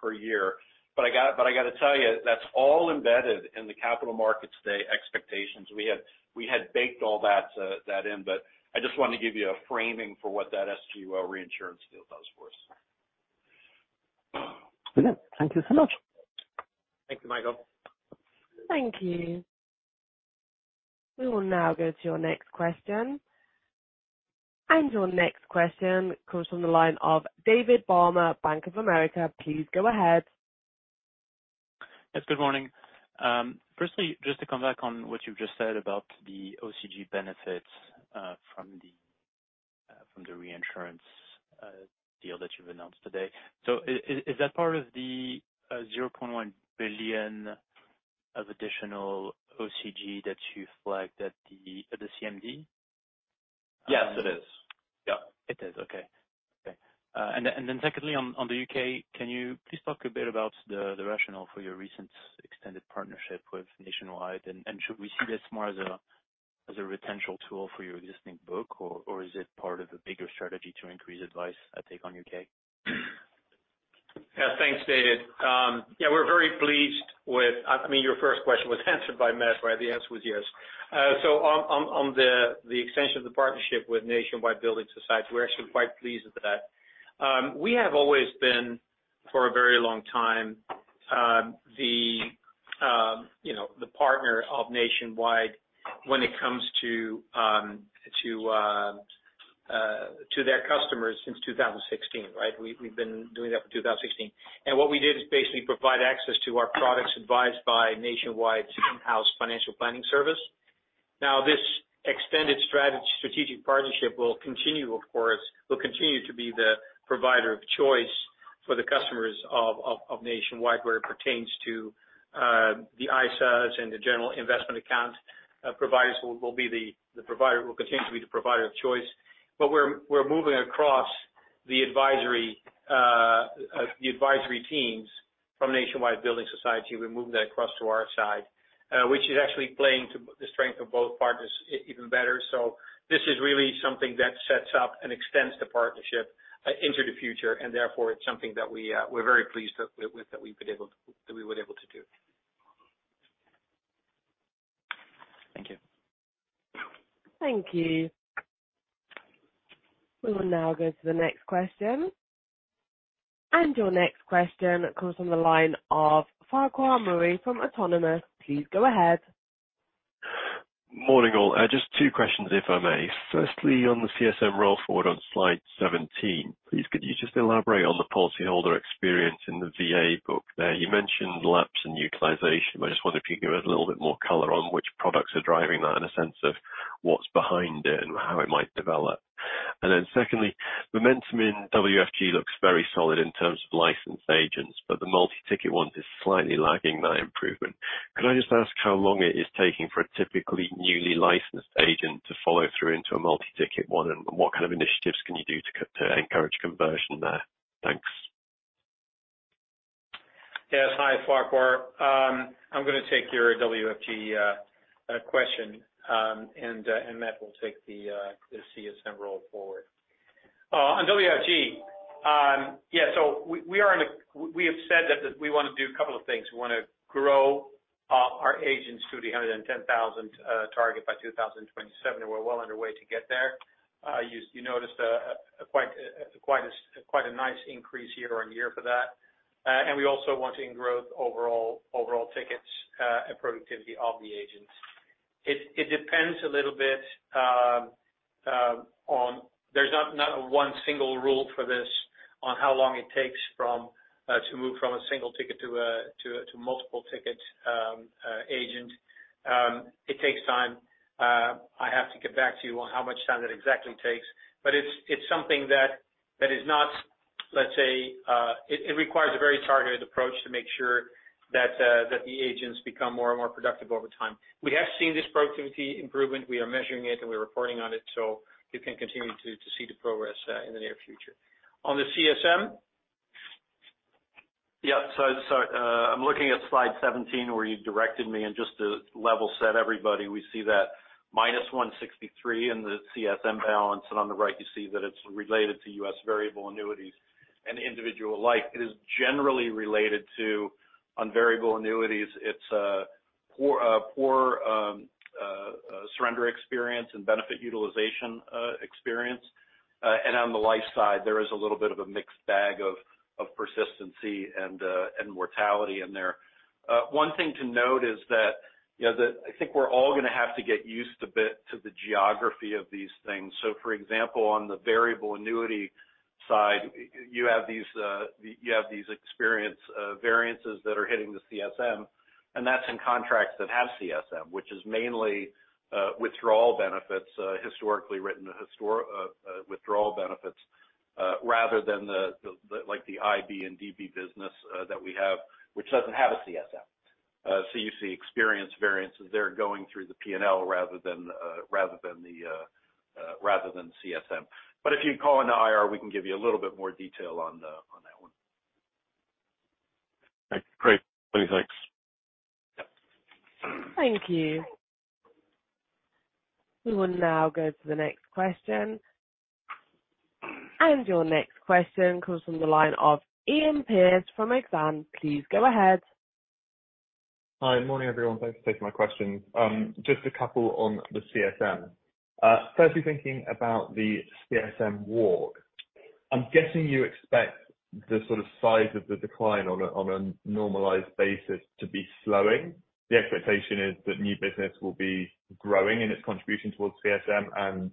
per year. I got to tell you, that's all embedded in the capital markets today expectations. We had baked all that in. I just wanted to give you a framing for what that SGUL reinsurance deal does for us. Good. Thank you so much. Thank you, Michael. Thank you. We will now go to your next question. Your next question comes from the line of David Barma, Bank of America. Please go ahead. Yes, good morning. Firstly, just to come back on what you've just said about the OCG benefits from the reinsurance deal that you've announced today. Is that part of the 0.1 billion of additional OCG that you flagged at the CMD? Yes, it is. Yeah. It is. Okay. Okay. Then, and then secondly, on, on the U.K., can you please talk a bit about the, the rationale for your recent extended partnership with Nationwide? And, and should we see this more as a, as a retention tool for your existing book, or, or is it part of a bigger strategy to increase advice, take on U.K.? Yeah. Thanks, David. Yeah, we're very pleased with... I mean, your first question was answered by Matt, right? The answer was yes. On the extension of the partnership with Nationwide Building Society, we're actually quite pleased with that. We have always been, for a very long time, the, you know, the partner of Nationwide when it comes to their customers since 2016, right? We, we've been doing that for 2016. What we did is basically provide access to our products advised by Nationwide's in-house financial planning service. This extended strategy, strategic partnership will continue, of course, will continue to be the provider of choice for the customers of Nationwide, where it pertains to the ISAs and the General Investment Account, providers will continue to be the provider of choice. We're, we're moving across the advisory, the advisory teams from Nationwide Building Society. We're moving that across to our side, which is actually playing to the strength of both partners even better. This is really something that sets up and extends the partnership into the future, and therefore it's something that we, we're very pleased with, that we were able to do. Thank you. Thank you. We will now go to the next question. Your next question comes from the line of Farquhar Murray from Autonomous. Please go ahead. Morning, all. Just two questions, if I may. Firstly, on the CSM roll forward on slide 17, please, could you just elaborate on the policyholder experience in the VA book there? You mentioned lapse in utilization. I just wonder if you could give a little bit more color on which products are driving that, and a sense of what's behind it and how it might develop. Secondly, momentum in WFG looks very solid in terms of licensed agents, but the multi-ticket one is slightly lagging that improvement. Could I just ask how long it is taking for a typically newly licensed agent to follow through into a multi-ticket one? What kind of initiatives can you do to encourage conversion there? Thanks. Yes. Hi, Farquhar. I'm going to take your WFG question, and Matt will take the CSM roll forward. On WFG, yeah, so we have said that we want to do a couple of things. We want to grow our agents to the 110,000 target by 2027, and we're well underway to get there. You noticed quite a nice increase year-over-year for that. We also want to grow overall, overall tickets, and productivity of the agents. It depends a little bit on... There's not one single rule for this on how long it takes from to move from a single ticket to a multiple ticket agent. It takes time. I have to get back to you on how much time that exactly takes, but it's, it's something that, that is not, let's say, it, it requires a very targeted approach to make sure that the agents become more and more productive over time. We have seen this productivity improvement. We are measuring it, and we're reporting on it, so you can continue to, to see the progress in the near future. On the CSM? Yeah. I'm looking at slide 17, where you directed me. Just to level set everybody, we see that minus 163 in the CSM balance, and on the right, you see that it's related to U.S. variable annuities and individual life. It is generally related to, on variable annuities, it's a poor, poor surrender experience and benefit utilization experience. And on the life side, there is a little bit of a mixed bag of, of persistency and mortality in there. One thing to note is that, you know, that I think we're all going to have to get used a bit to the geography of these things. For example, on the variable annuity side, you have these, you have these experience variances that are hitting the CSM, and that's in contracts that have CSM, which is mainly withdrawal benefits, historically written, withdrawal benefits, rather than the, the, like, the IB and DB business that we have, which doesn't have a CSM. You see experience variances there going through the P&L rather than, rather than the, rather than CSM. But if you call into IR, we can give you a little bit more detail on that one. Great. Many thanks. Yep. Thank you. We will now go to the next question. Your next question comes from the line of Iain Pearce from Exane. Please go ahead. Hi. Morning, everyone. Thanks for taking my question. Just a couple on the CSM. Firstly, thinking about the CSM walk, I'm guessing you expect the sort of size of the decline on a, on a normalized basis to be slowing. The expectation is that new business will be growing in its contribution towards CSM, and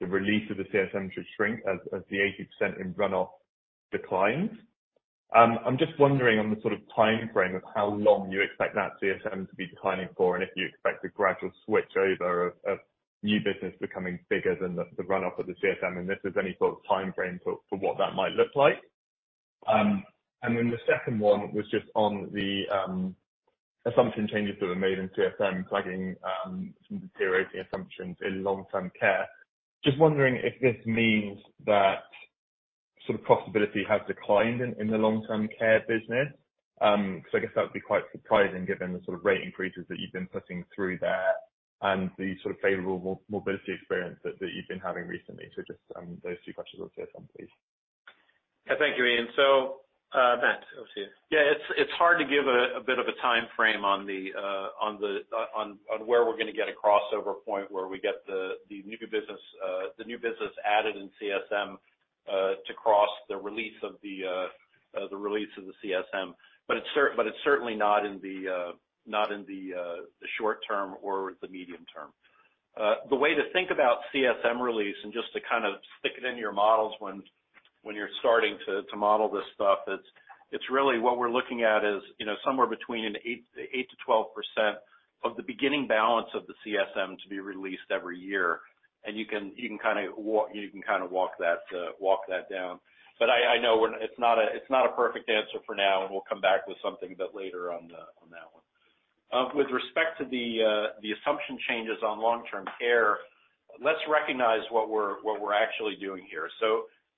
the release of the CSM should shrink as, as the 80% in run-off declines. I'm just wondering on the sort of timeframe of how long you expect that CSM to be declining for, and if you expect a gradual switch over of, of new business becoming bigger than the, the run-off of the CSM, and if there's any sort of timeframe for, for what that might look like? Then the second one was just on the assumption changes that were made in CSM, flagging some deteriorating assumptions in long-term care. Just wondering if this means that sort of profitability has declined in, in the long-term care business. Because I guess that would be quite surprising given the sort of rate increases that you've been putting through there and the sort of favorable morbidity experience that, that you've been having recently. Just those two questions on CSM, please. Thank you, Iain. Matthew, over to you. Yeah, it's hard to give a bit of a timeframe on the on where we're going to get a crossover point, where we get the new business, the new business added in CSM, to cross the release of the release of the CSM. It's certainly not in the not in the short term or the medium term. The way to think about CSM release and just to kind of stick it into your models when you're starting to model this stuff, it's really what we're looking at is, you know, somewhere between 8%-12% of the beginning balance of the CSM to be released every year. You can, you can kind of walk, you can kind of walk that, walk that down. I, I know we're, it's not a, it's not a perfect answer for now, and we'll come back with something a bit later on the, on that one. With respect to the assumption changes on long-term care, let's recognize what we're, what we're actually doing here.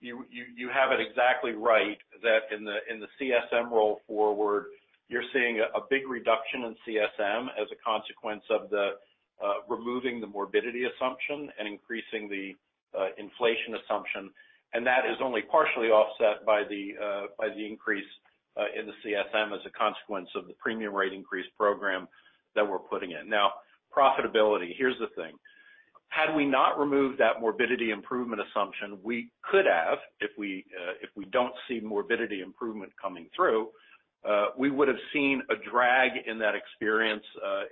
You, you, you have it exactly right, that in the, in the CSM roll forward, you're seeing a, a big reduction in CSM as a consequence of the removing the morbidity assumption and increasing the inflation assumption. That is only partially offset by the by the increase in the CSM as a consequence of the premium rate increase program that we're putting in. Profitability, here's the thing. Had we not removed that morbidity improvement assumption, we could have, if we, if we don't see morbidity improvement coming through, we would have seen a drag in that experience,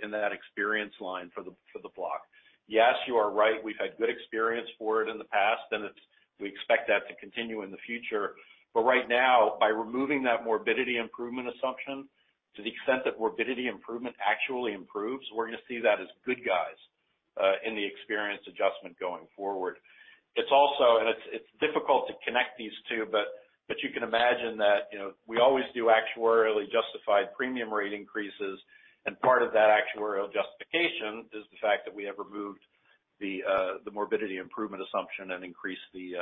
in that experience line for the, for the block. Yes, you are right. We've had good experience for it in the past, and we expect that to continue in the future. Right now, by removing that morbidity improvement assumption, to the extent that morbidity improvement actually improves, we're going to see that as good guys, in the experience adjustment going forward. It's also, it's difficult to connect these two, but you can imagine that, you know, we always do actuarially justified premium rate increases, and part of that actuarial justification is the fact that we have removed the, the morbidity improvement assumption and increased the,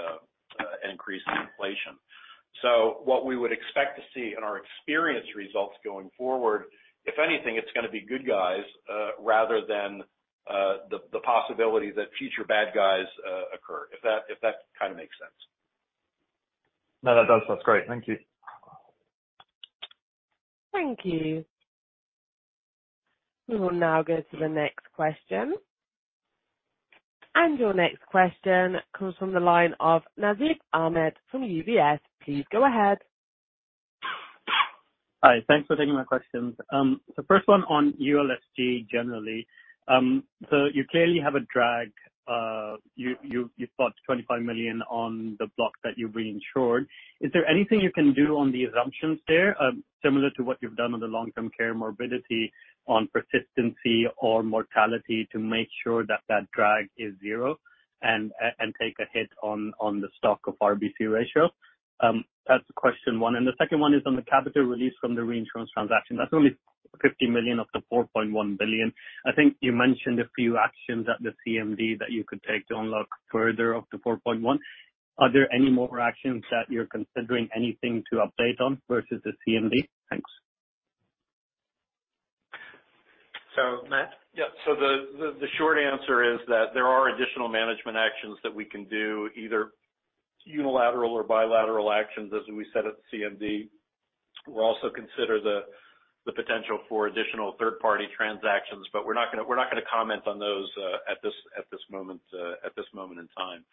increased the inflation. What we would expect to see in our experience results going forward, if anything, it's gonna be good guys, rather than the possibility that future bad guys occur. If that, if that kind of makes sense? No, that does. That's great. Thank you. Thank you. We will now go to the next question. Your next question comes from the line of Nasib Ahmed from UBS. Please go ahead. Hi, thanks for taking my questions. The first one on ULSG, generally. You clearly have a drag. You've got 25 million on the block that you've reinsured. Is there anything you can do on the assumptions there, similar to what you've done on the long-term care morbidity, on persistency or mortality, to make sure that drag is zero, and take a hit on the stock of RBC ratio? That's question one. The second one is on the capital release from the reinsurance transaction. That's only 50 million of the 4.1 billion. I think you mentioned a few actions at the CMD that you could take to unlock further of the 4.1 billion. Are there any more actions that you're considering, anything to update on versus the CMD? Thanks. Matt? Yeah. The, the, the short answer is that there are additional management actions that we can do, either unilateral or bilateral actions, as we said at the CMD. We'll also consider the, the potential for additional third-party transactions, but we're not gonna, we're not gonna comment on those at this, at this moment, at this moment in time.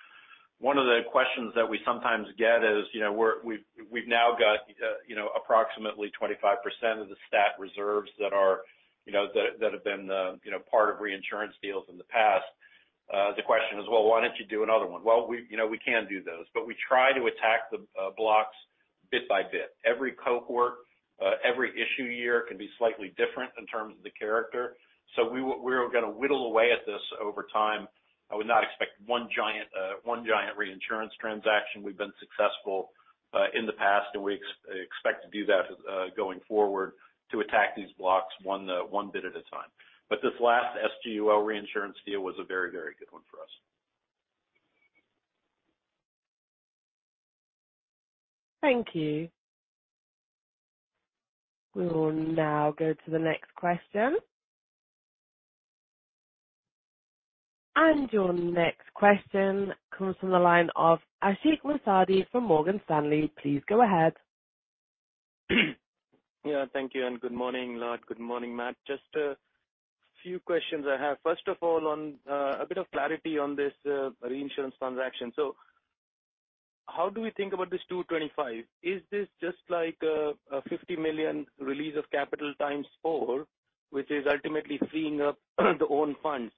One of the questions that we sometimes get is, you know, we've, we've now got, you know, approximately 25% of the stat reserves that are, you know, that, that have been the, you know, part of reinsurance deals in the past. The question is: Well, why don't you do another one? Well, we, you know, we can do those, but we try to attack the blocks bit by bit. Every cohort, every issue year can be slightly different in terms of the character, so we're gonna whittle away at this over time. I would not expect one giant, one giant reinsurance transaction. We've been successful, in the past, and we expect to do that, going forward, to attack these blocks 1, 1 bit at a time. This last SGUL reinsurance deal was a very, very good one for us. Thank you. We will now go to the next question. Your next question comes from the line of Ashik Musaddi from Morgan Stanley. Please go ahead. Thank you, good morning, Lard. Good morning, Matt. Just a few questions I have. First of all, on a bit of clarity on this reinsurance transaction. How do we think about this 225? Is this just like a 50 million release of capital times four, which is ultimately freeing up the own funds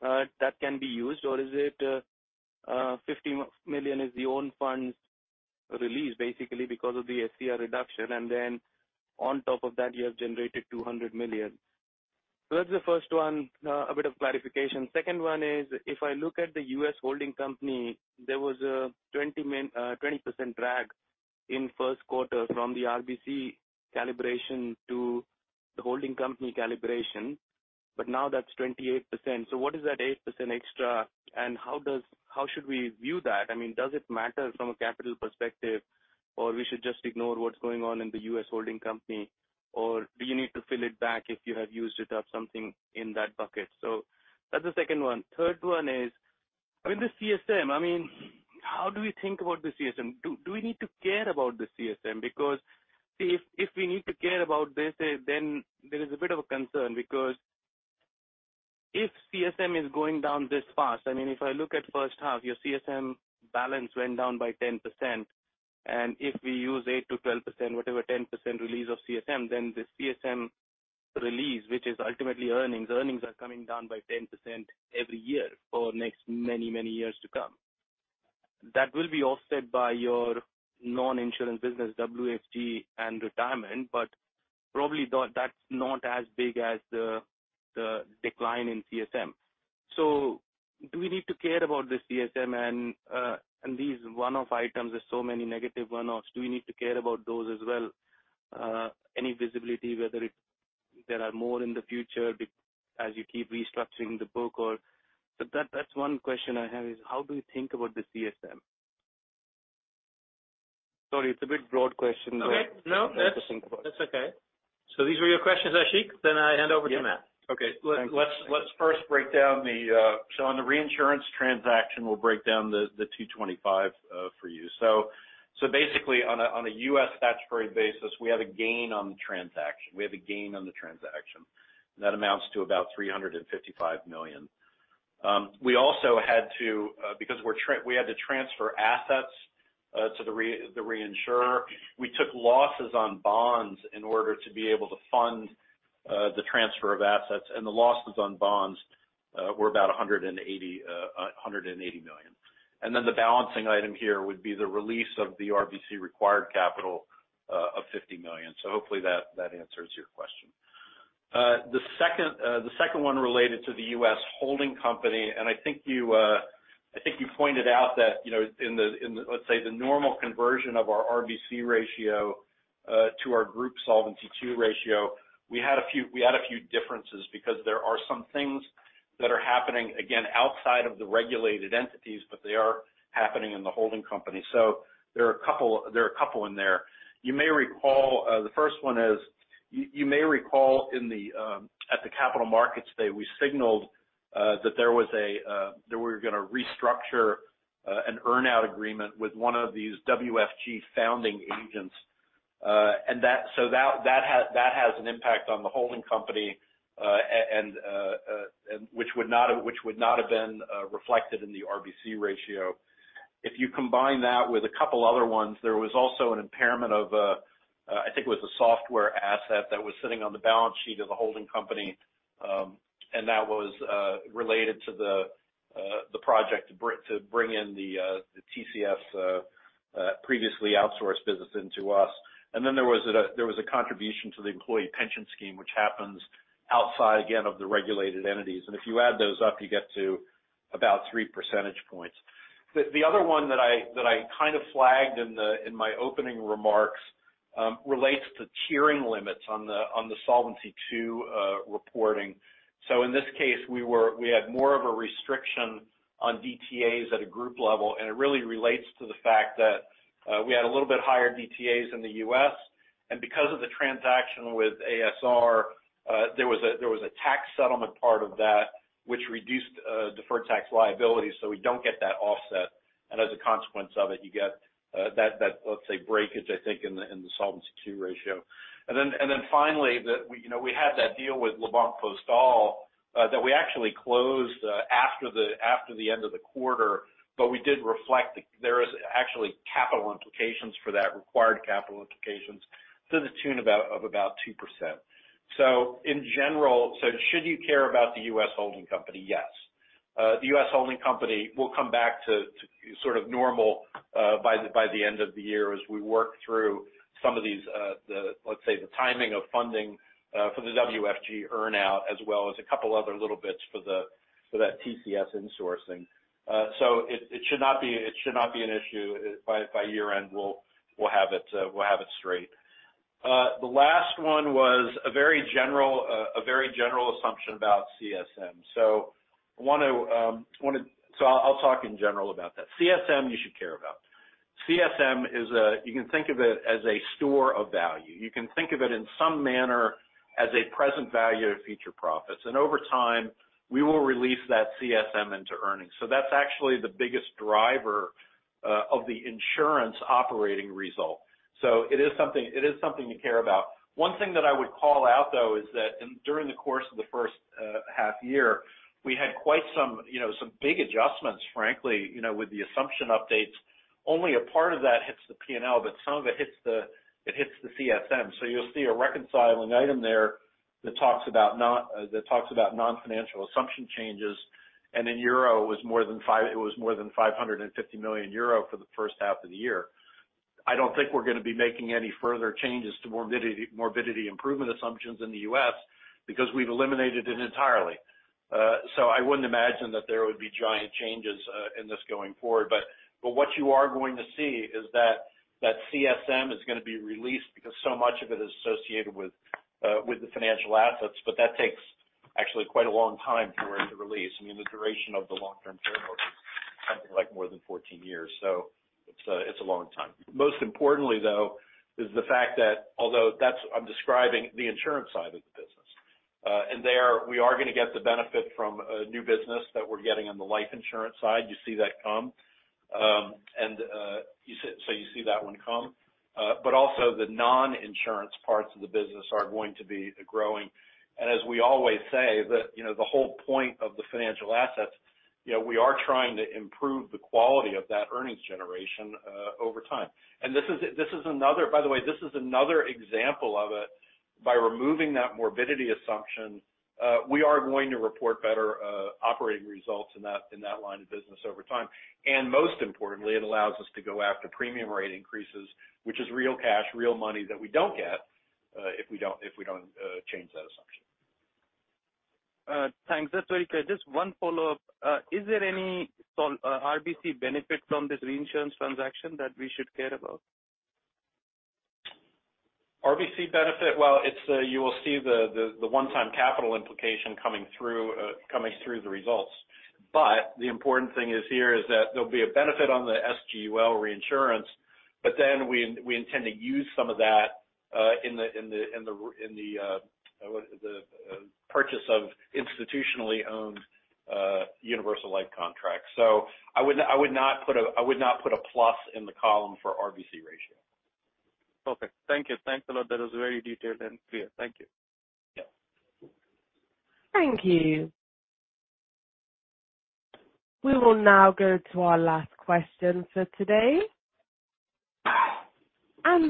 that can be used? Is it 50 million is the own funds release, basically because of the SCR reduction, and then on top of that, you have generated 200 million? That's the first one, a bit of clarification. Second one is: if I look at the U.S. holding company, there was a 20 million, 20% drag in first quarter from the RBC calibration to the holding company calibration, but now that's 28%. What is that 8% extra, and how should we view that? I mean, does it matter from a capital perspective, or we should just ignore what's going on in the U.S. holding company? Do you need to fill it back if you have used it up, something in that bucket? That's the second one. Third one is, I mean, this CSM, I mean, how do we think about the CSM? Do we need to care about the CSM? If we need to care about this, then there is a bit of a concern, because if CSM is going down this fast, I mean, if I look at first half, your CSM balance went down by 10%, and if we use 8%-12%, whatever, 10% release of CSM, then this CSM-... release, which is ultimately earnings. Earnings are coming down by 10% every year for next many, many years to come. That will be offset by your non-insurance business, WFG and retirement, but probably not, that's not as big as the, the decline in CSM. Do we need to care about the CSM and these one-off items, there's so many negative one-offs? Do we need to care about those as well? Any visibility, whether there are more in the future as you keep restructuring the book or... That, that's one question I have, is how do you think about the CSM? Sorry, it's a bit broad question. Okay. No, that's, that's okay. These were your questions, Ashik? I hand over to Matt. Yeah. Okay. Let's, let's first break down the, so on the reinsurance transaction, we'll break down the $225 for you. Basically, on a U.S. statutory basis, we have a gain on the transaction. We have a gain on the transaction, and that amounts to about $355 million. We also had to, because we had to transfer assets to the reinsurer. We took losses on bonds in order to be able to fund the transfer of assets, and the losses on bonds were about $180 million. The balancing item here would be the release of the RBC required capital of $50 million. Hopefully that, that answers your question. The second, the second one related to the U.S. holding company. I think you, I think you pointed out that, you know, in the, in the, let's say, the normal conversion of our RBC ratio to our group Solvency II ratio, we had a few, we had a few differences because there are some things that are happening, again, outside of the regulated entities, but they are happening in the holding company. There are a couple, there are a couple in there. You may recall, the first one is, you, you may recall in the, at the Capital Markets Day, we signaled that there was a, that we were gonna restructure an earn-out agreement with one of these WFG founding agents. That has, that has an impact on the holding company, and which would not have, which would not have been reflected in the RBC ratio. If you combine that with a couple other ones, there was also an impairment of, I think it was a software asset that was sitting on the balance sheet of the holding company, and that was related to the project to bring, to bring in the TCS previously outsourced business into us. Then there was a contribution to the employee pension scheme, which happens outside, again, of the regulated entities. If you add those up, you get to about 3 percentage points. The, the other one that I, that I kind of flagged in the, in my opening remarks, relates to tiering limits on the, on the Solvency II reporting. In this case, we had more of a restriction on DTAs at a group level, and it really relates to the fact that we had a little bit higher DTAs in the U.S.. Because of the transaction with a.s.r., there was a tax settlement part of that, which reduced deferred tax liability, so we don't get that offset. As a consequence of it, you get that, that, let's say, breakage, I think, in the Solvency II ratio. Finally, we, you know, we had that deal with La Banque Postale that we actually closed after the end of the quarter. We did reflect there is actually capital implications for that, required capital implications to the tune of about 2%. In general, should you care about the U.S. holding company? Yes. The U.S. holding company will come back to sort of normal by the end of the year as we work through some of these, let's say, the timing of funding for the WFG earn-out, as well as a couple other little bits for that TCS insourcing. It should not be an issue. By year-end, we'll have it straight. The last one was a very general, a very general assumption about CSM. I want to talk in general about that. CSM, you should care about. CSM is a, you can think of it as a store of value. You can think of it in some manner as a present value of future profits, and over time, we will release that CSM into earnings. That's actually the biggest driver of the insurance operating result. It is something, it is something to care about. One thing that I would call out, though, is that in, during the course of the first half year, we had quite some, you know, some big adjustments, frankly, you know, with the assumption updates. Only a part of that hits the P&L, but some of it hits the, it hits the CSM. You'll see a reconciling item there that talks about that talks about non-financial assumption changes, and in euro, it was more than 550 million euro for the first half of the year. I don't think we're gonna be making any further changes to morbidity, morbidity improvement assumptions in the U.S. because we've eliminated it entirely. I wouldn't imagine that there would be giant changes in this going forward. What you are going to see is that, that CSM is gonna be released because so much of it is associated with with the financial assets, but that takes actually quite a long time for it to release. I mean, the duration of the long-term territory is something like more than 14 years, so it's a, it's a long time. Most importantly, though, is the fact that although that's I'm describing the insurance side of the business, there, we are gonna get the benefit from new business that we're getting on the life insurance side. You see that come. You see, so you see that one come, but also the non-insurance parts of the business are going to be growing. As we always say, that, you know, the whole point of the financial assets, you know, we are trying to improve the quality of that earnings generation over time. This is, this is another, by the way, this is another example of it. By removing that morbidity assumption, we are going to report better operating results in that, in that line of business over time. Most importantly, it allows us to go after premium rate increases, which is real cash, real money that we don't get, if we don't, if we don't, change that assumption. Thanks. That's very clear. Just one follow-up. Is there any, so, RBC benefit from this reinsurance transaction that we should care about? RBC benefit? Well, it's, you will see the, the, the one-time capital implication coming through, coming through the results. The important thing is here is that there'll be a benefit on the SGUL reinsurance, but then we, we intend to use some of that in the, in the, in the, in the, the purchase of institutionally owned, universal life contracts. I would not, I would not put a, I would not put a plus in the column for RBC ratio. Perfect. Thank you. Thanks a lot. That was very detailed and clear. Thank you. Yeah. Thank you. We will now go to our last question for today.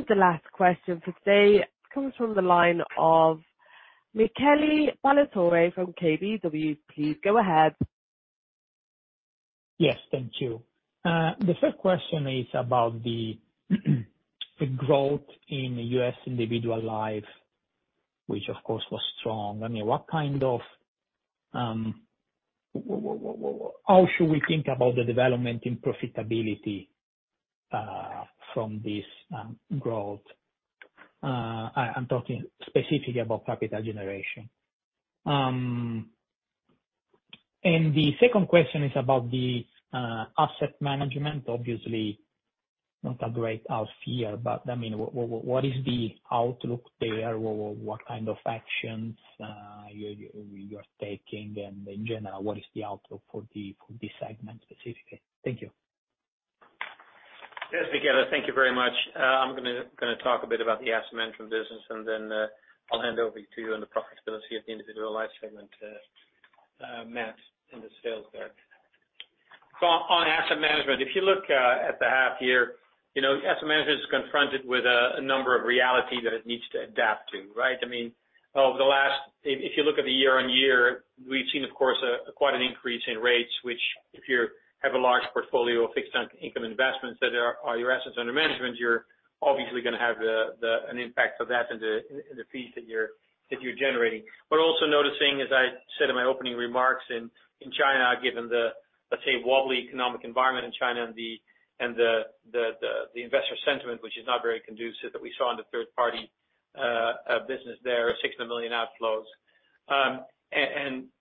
The last question for today comes from the line of Michele Ballatore from KBW. Please, go ahead. Yes, thank you. The first question is about the growth in the U.S. individual life, which of course, was strong. I mean, what kind of how should we think about the development in profitability from this growth? I, I'm talking specifically about capital generation. The second question is about the asset management. Obviously, not a great out year, but, I mean, what is the outlook there? What kind of actions you, you're taking? In general, what is the outlook for this segment, specifically? Thank you. Yes, Michele, thank you very much. I'm gonna talk a bit about the asset management business, and then I'll hand over to you on the profitability of the individual life segment, Matt, and the sales there. On asset management, if you look at the half year, you know, asset management is confronted with a number of reality that it needs to adapt to, right? I mean, over the last... If, if you look at the year on year, we've seen, of course, quite an increase in rates, which if you have a large portfolio of fixed income investments that are your assets under management, you're obviously gonna have the an impact of that in the fees that you're generating. Also noticing, as I said in my opening remarks, in China, given the wobbly economic environment in China and the investor sentiment, which is not very conducive, that we saw in the third party business there, 6 million outflows.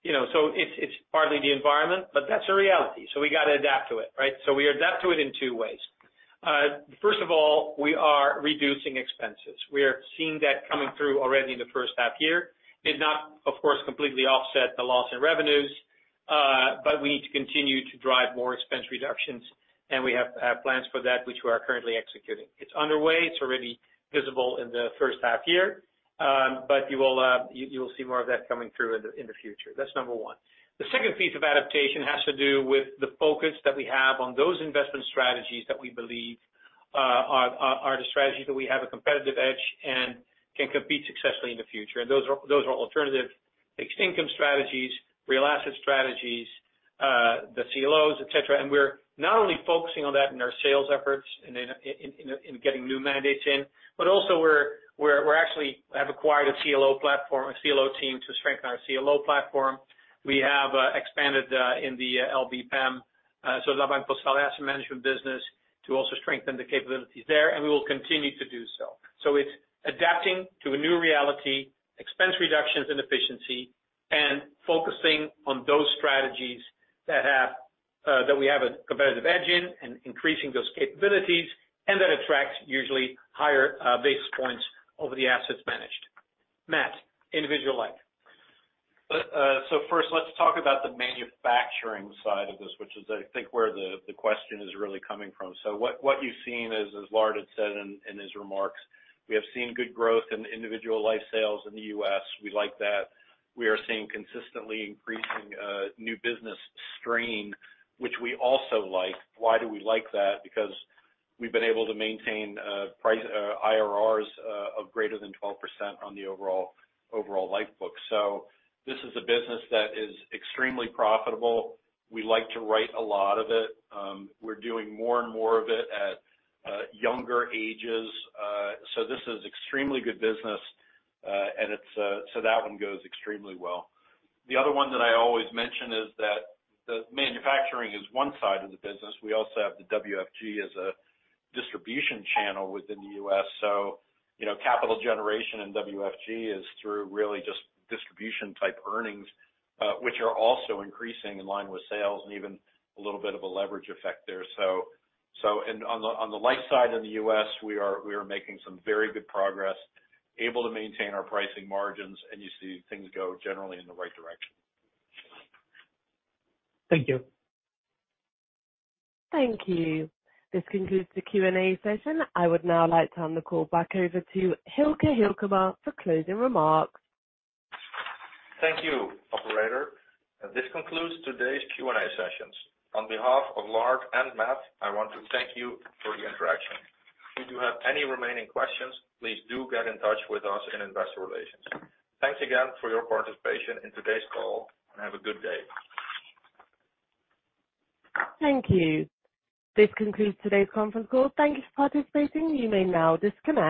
You know, so it's partly the environment, but that's a reality, so we got to adapt to it, right? We adapt to it in two ways. First of all, we are reducing expenses. We are seeing that coming through already in the first half year. Did not, of course, completely offset the loss in revenues, but we need to continue to drive more expense reductions, and we have plans for that, which we are currently executing. It's underway. It's already visible in the first half year, but you will see more of that coming through in the, in the future. That's number 1. The second piece of adaptation has to do with the focus that we have on those investment strategies that we believe are the strategies that we have a competitive edge and can compete successfully in the future. Those are alternative fixed income strategies, real asset strategies, the CLOs, et cetera. We're not only focusing on that in our sales efforts, in getting new mandates in, but also we're actually have acquired a CLO platform, a CLO team, to strengthen our CLO platform. We have expanded in the LBP AM, so La Banque Postale asset management business, to also strengthen the capabilities there, and we will continue to do so. It's adapting to a new reality, expense reductions and efficiency, and focusing on those strategies that have that we have a competitive edge in and increasing those capabilities, and that attracts usually higher basis points over the assets managed. Matt, individual life. First, let's talk about the manufacturing side of this, which is, I think, where the, the question is really coming from. What, what you've seen is, as Lars had said in, in his remarks, we have seen good growth in individual life sales in the U.S. We like that. We are seeing consistently increasing new business stream, which we also like. Why do we like that? Because we've been able to maintain price IRRs of greater than 12% on the overall, overall life book. This is a business that is extremely profitable. We like to write a lot of it. We're doing more and more of it at younger ages. This is extremely good business, and it's... That one goes extremely well. The other one that I always mention is that the manufacturing is one side of the business. We also have the WFG as a distribution channel within the U.S. You know, capital generation in WFG is through really just distribution-type earnings, which are also increasing in line with sales and even a little bit of a leverage effect there. On the life side in the U.S., we are making some very good progress, able to maintain our pricing margins, and you see things go generally in the right direction. Thank you. Thank you. This concludes the Q&A session. I would now like to turn the call back over to Hielke Hielkema for closing remarks. Thank you, operator. This concludes today's Q&A sessions. On behalf of Lard and Matt, I want to thank you for the interaction. If you have any remaining questions, please do get in touch with us in Investor Relations. Thanks again for your participation in today's call, have a good day. Thank you. This concludes today's conference call. Thank you for participating. You may now disconnect.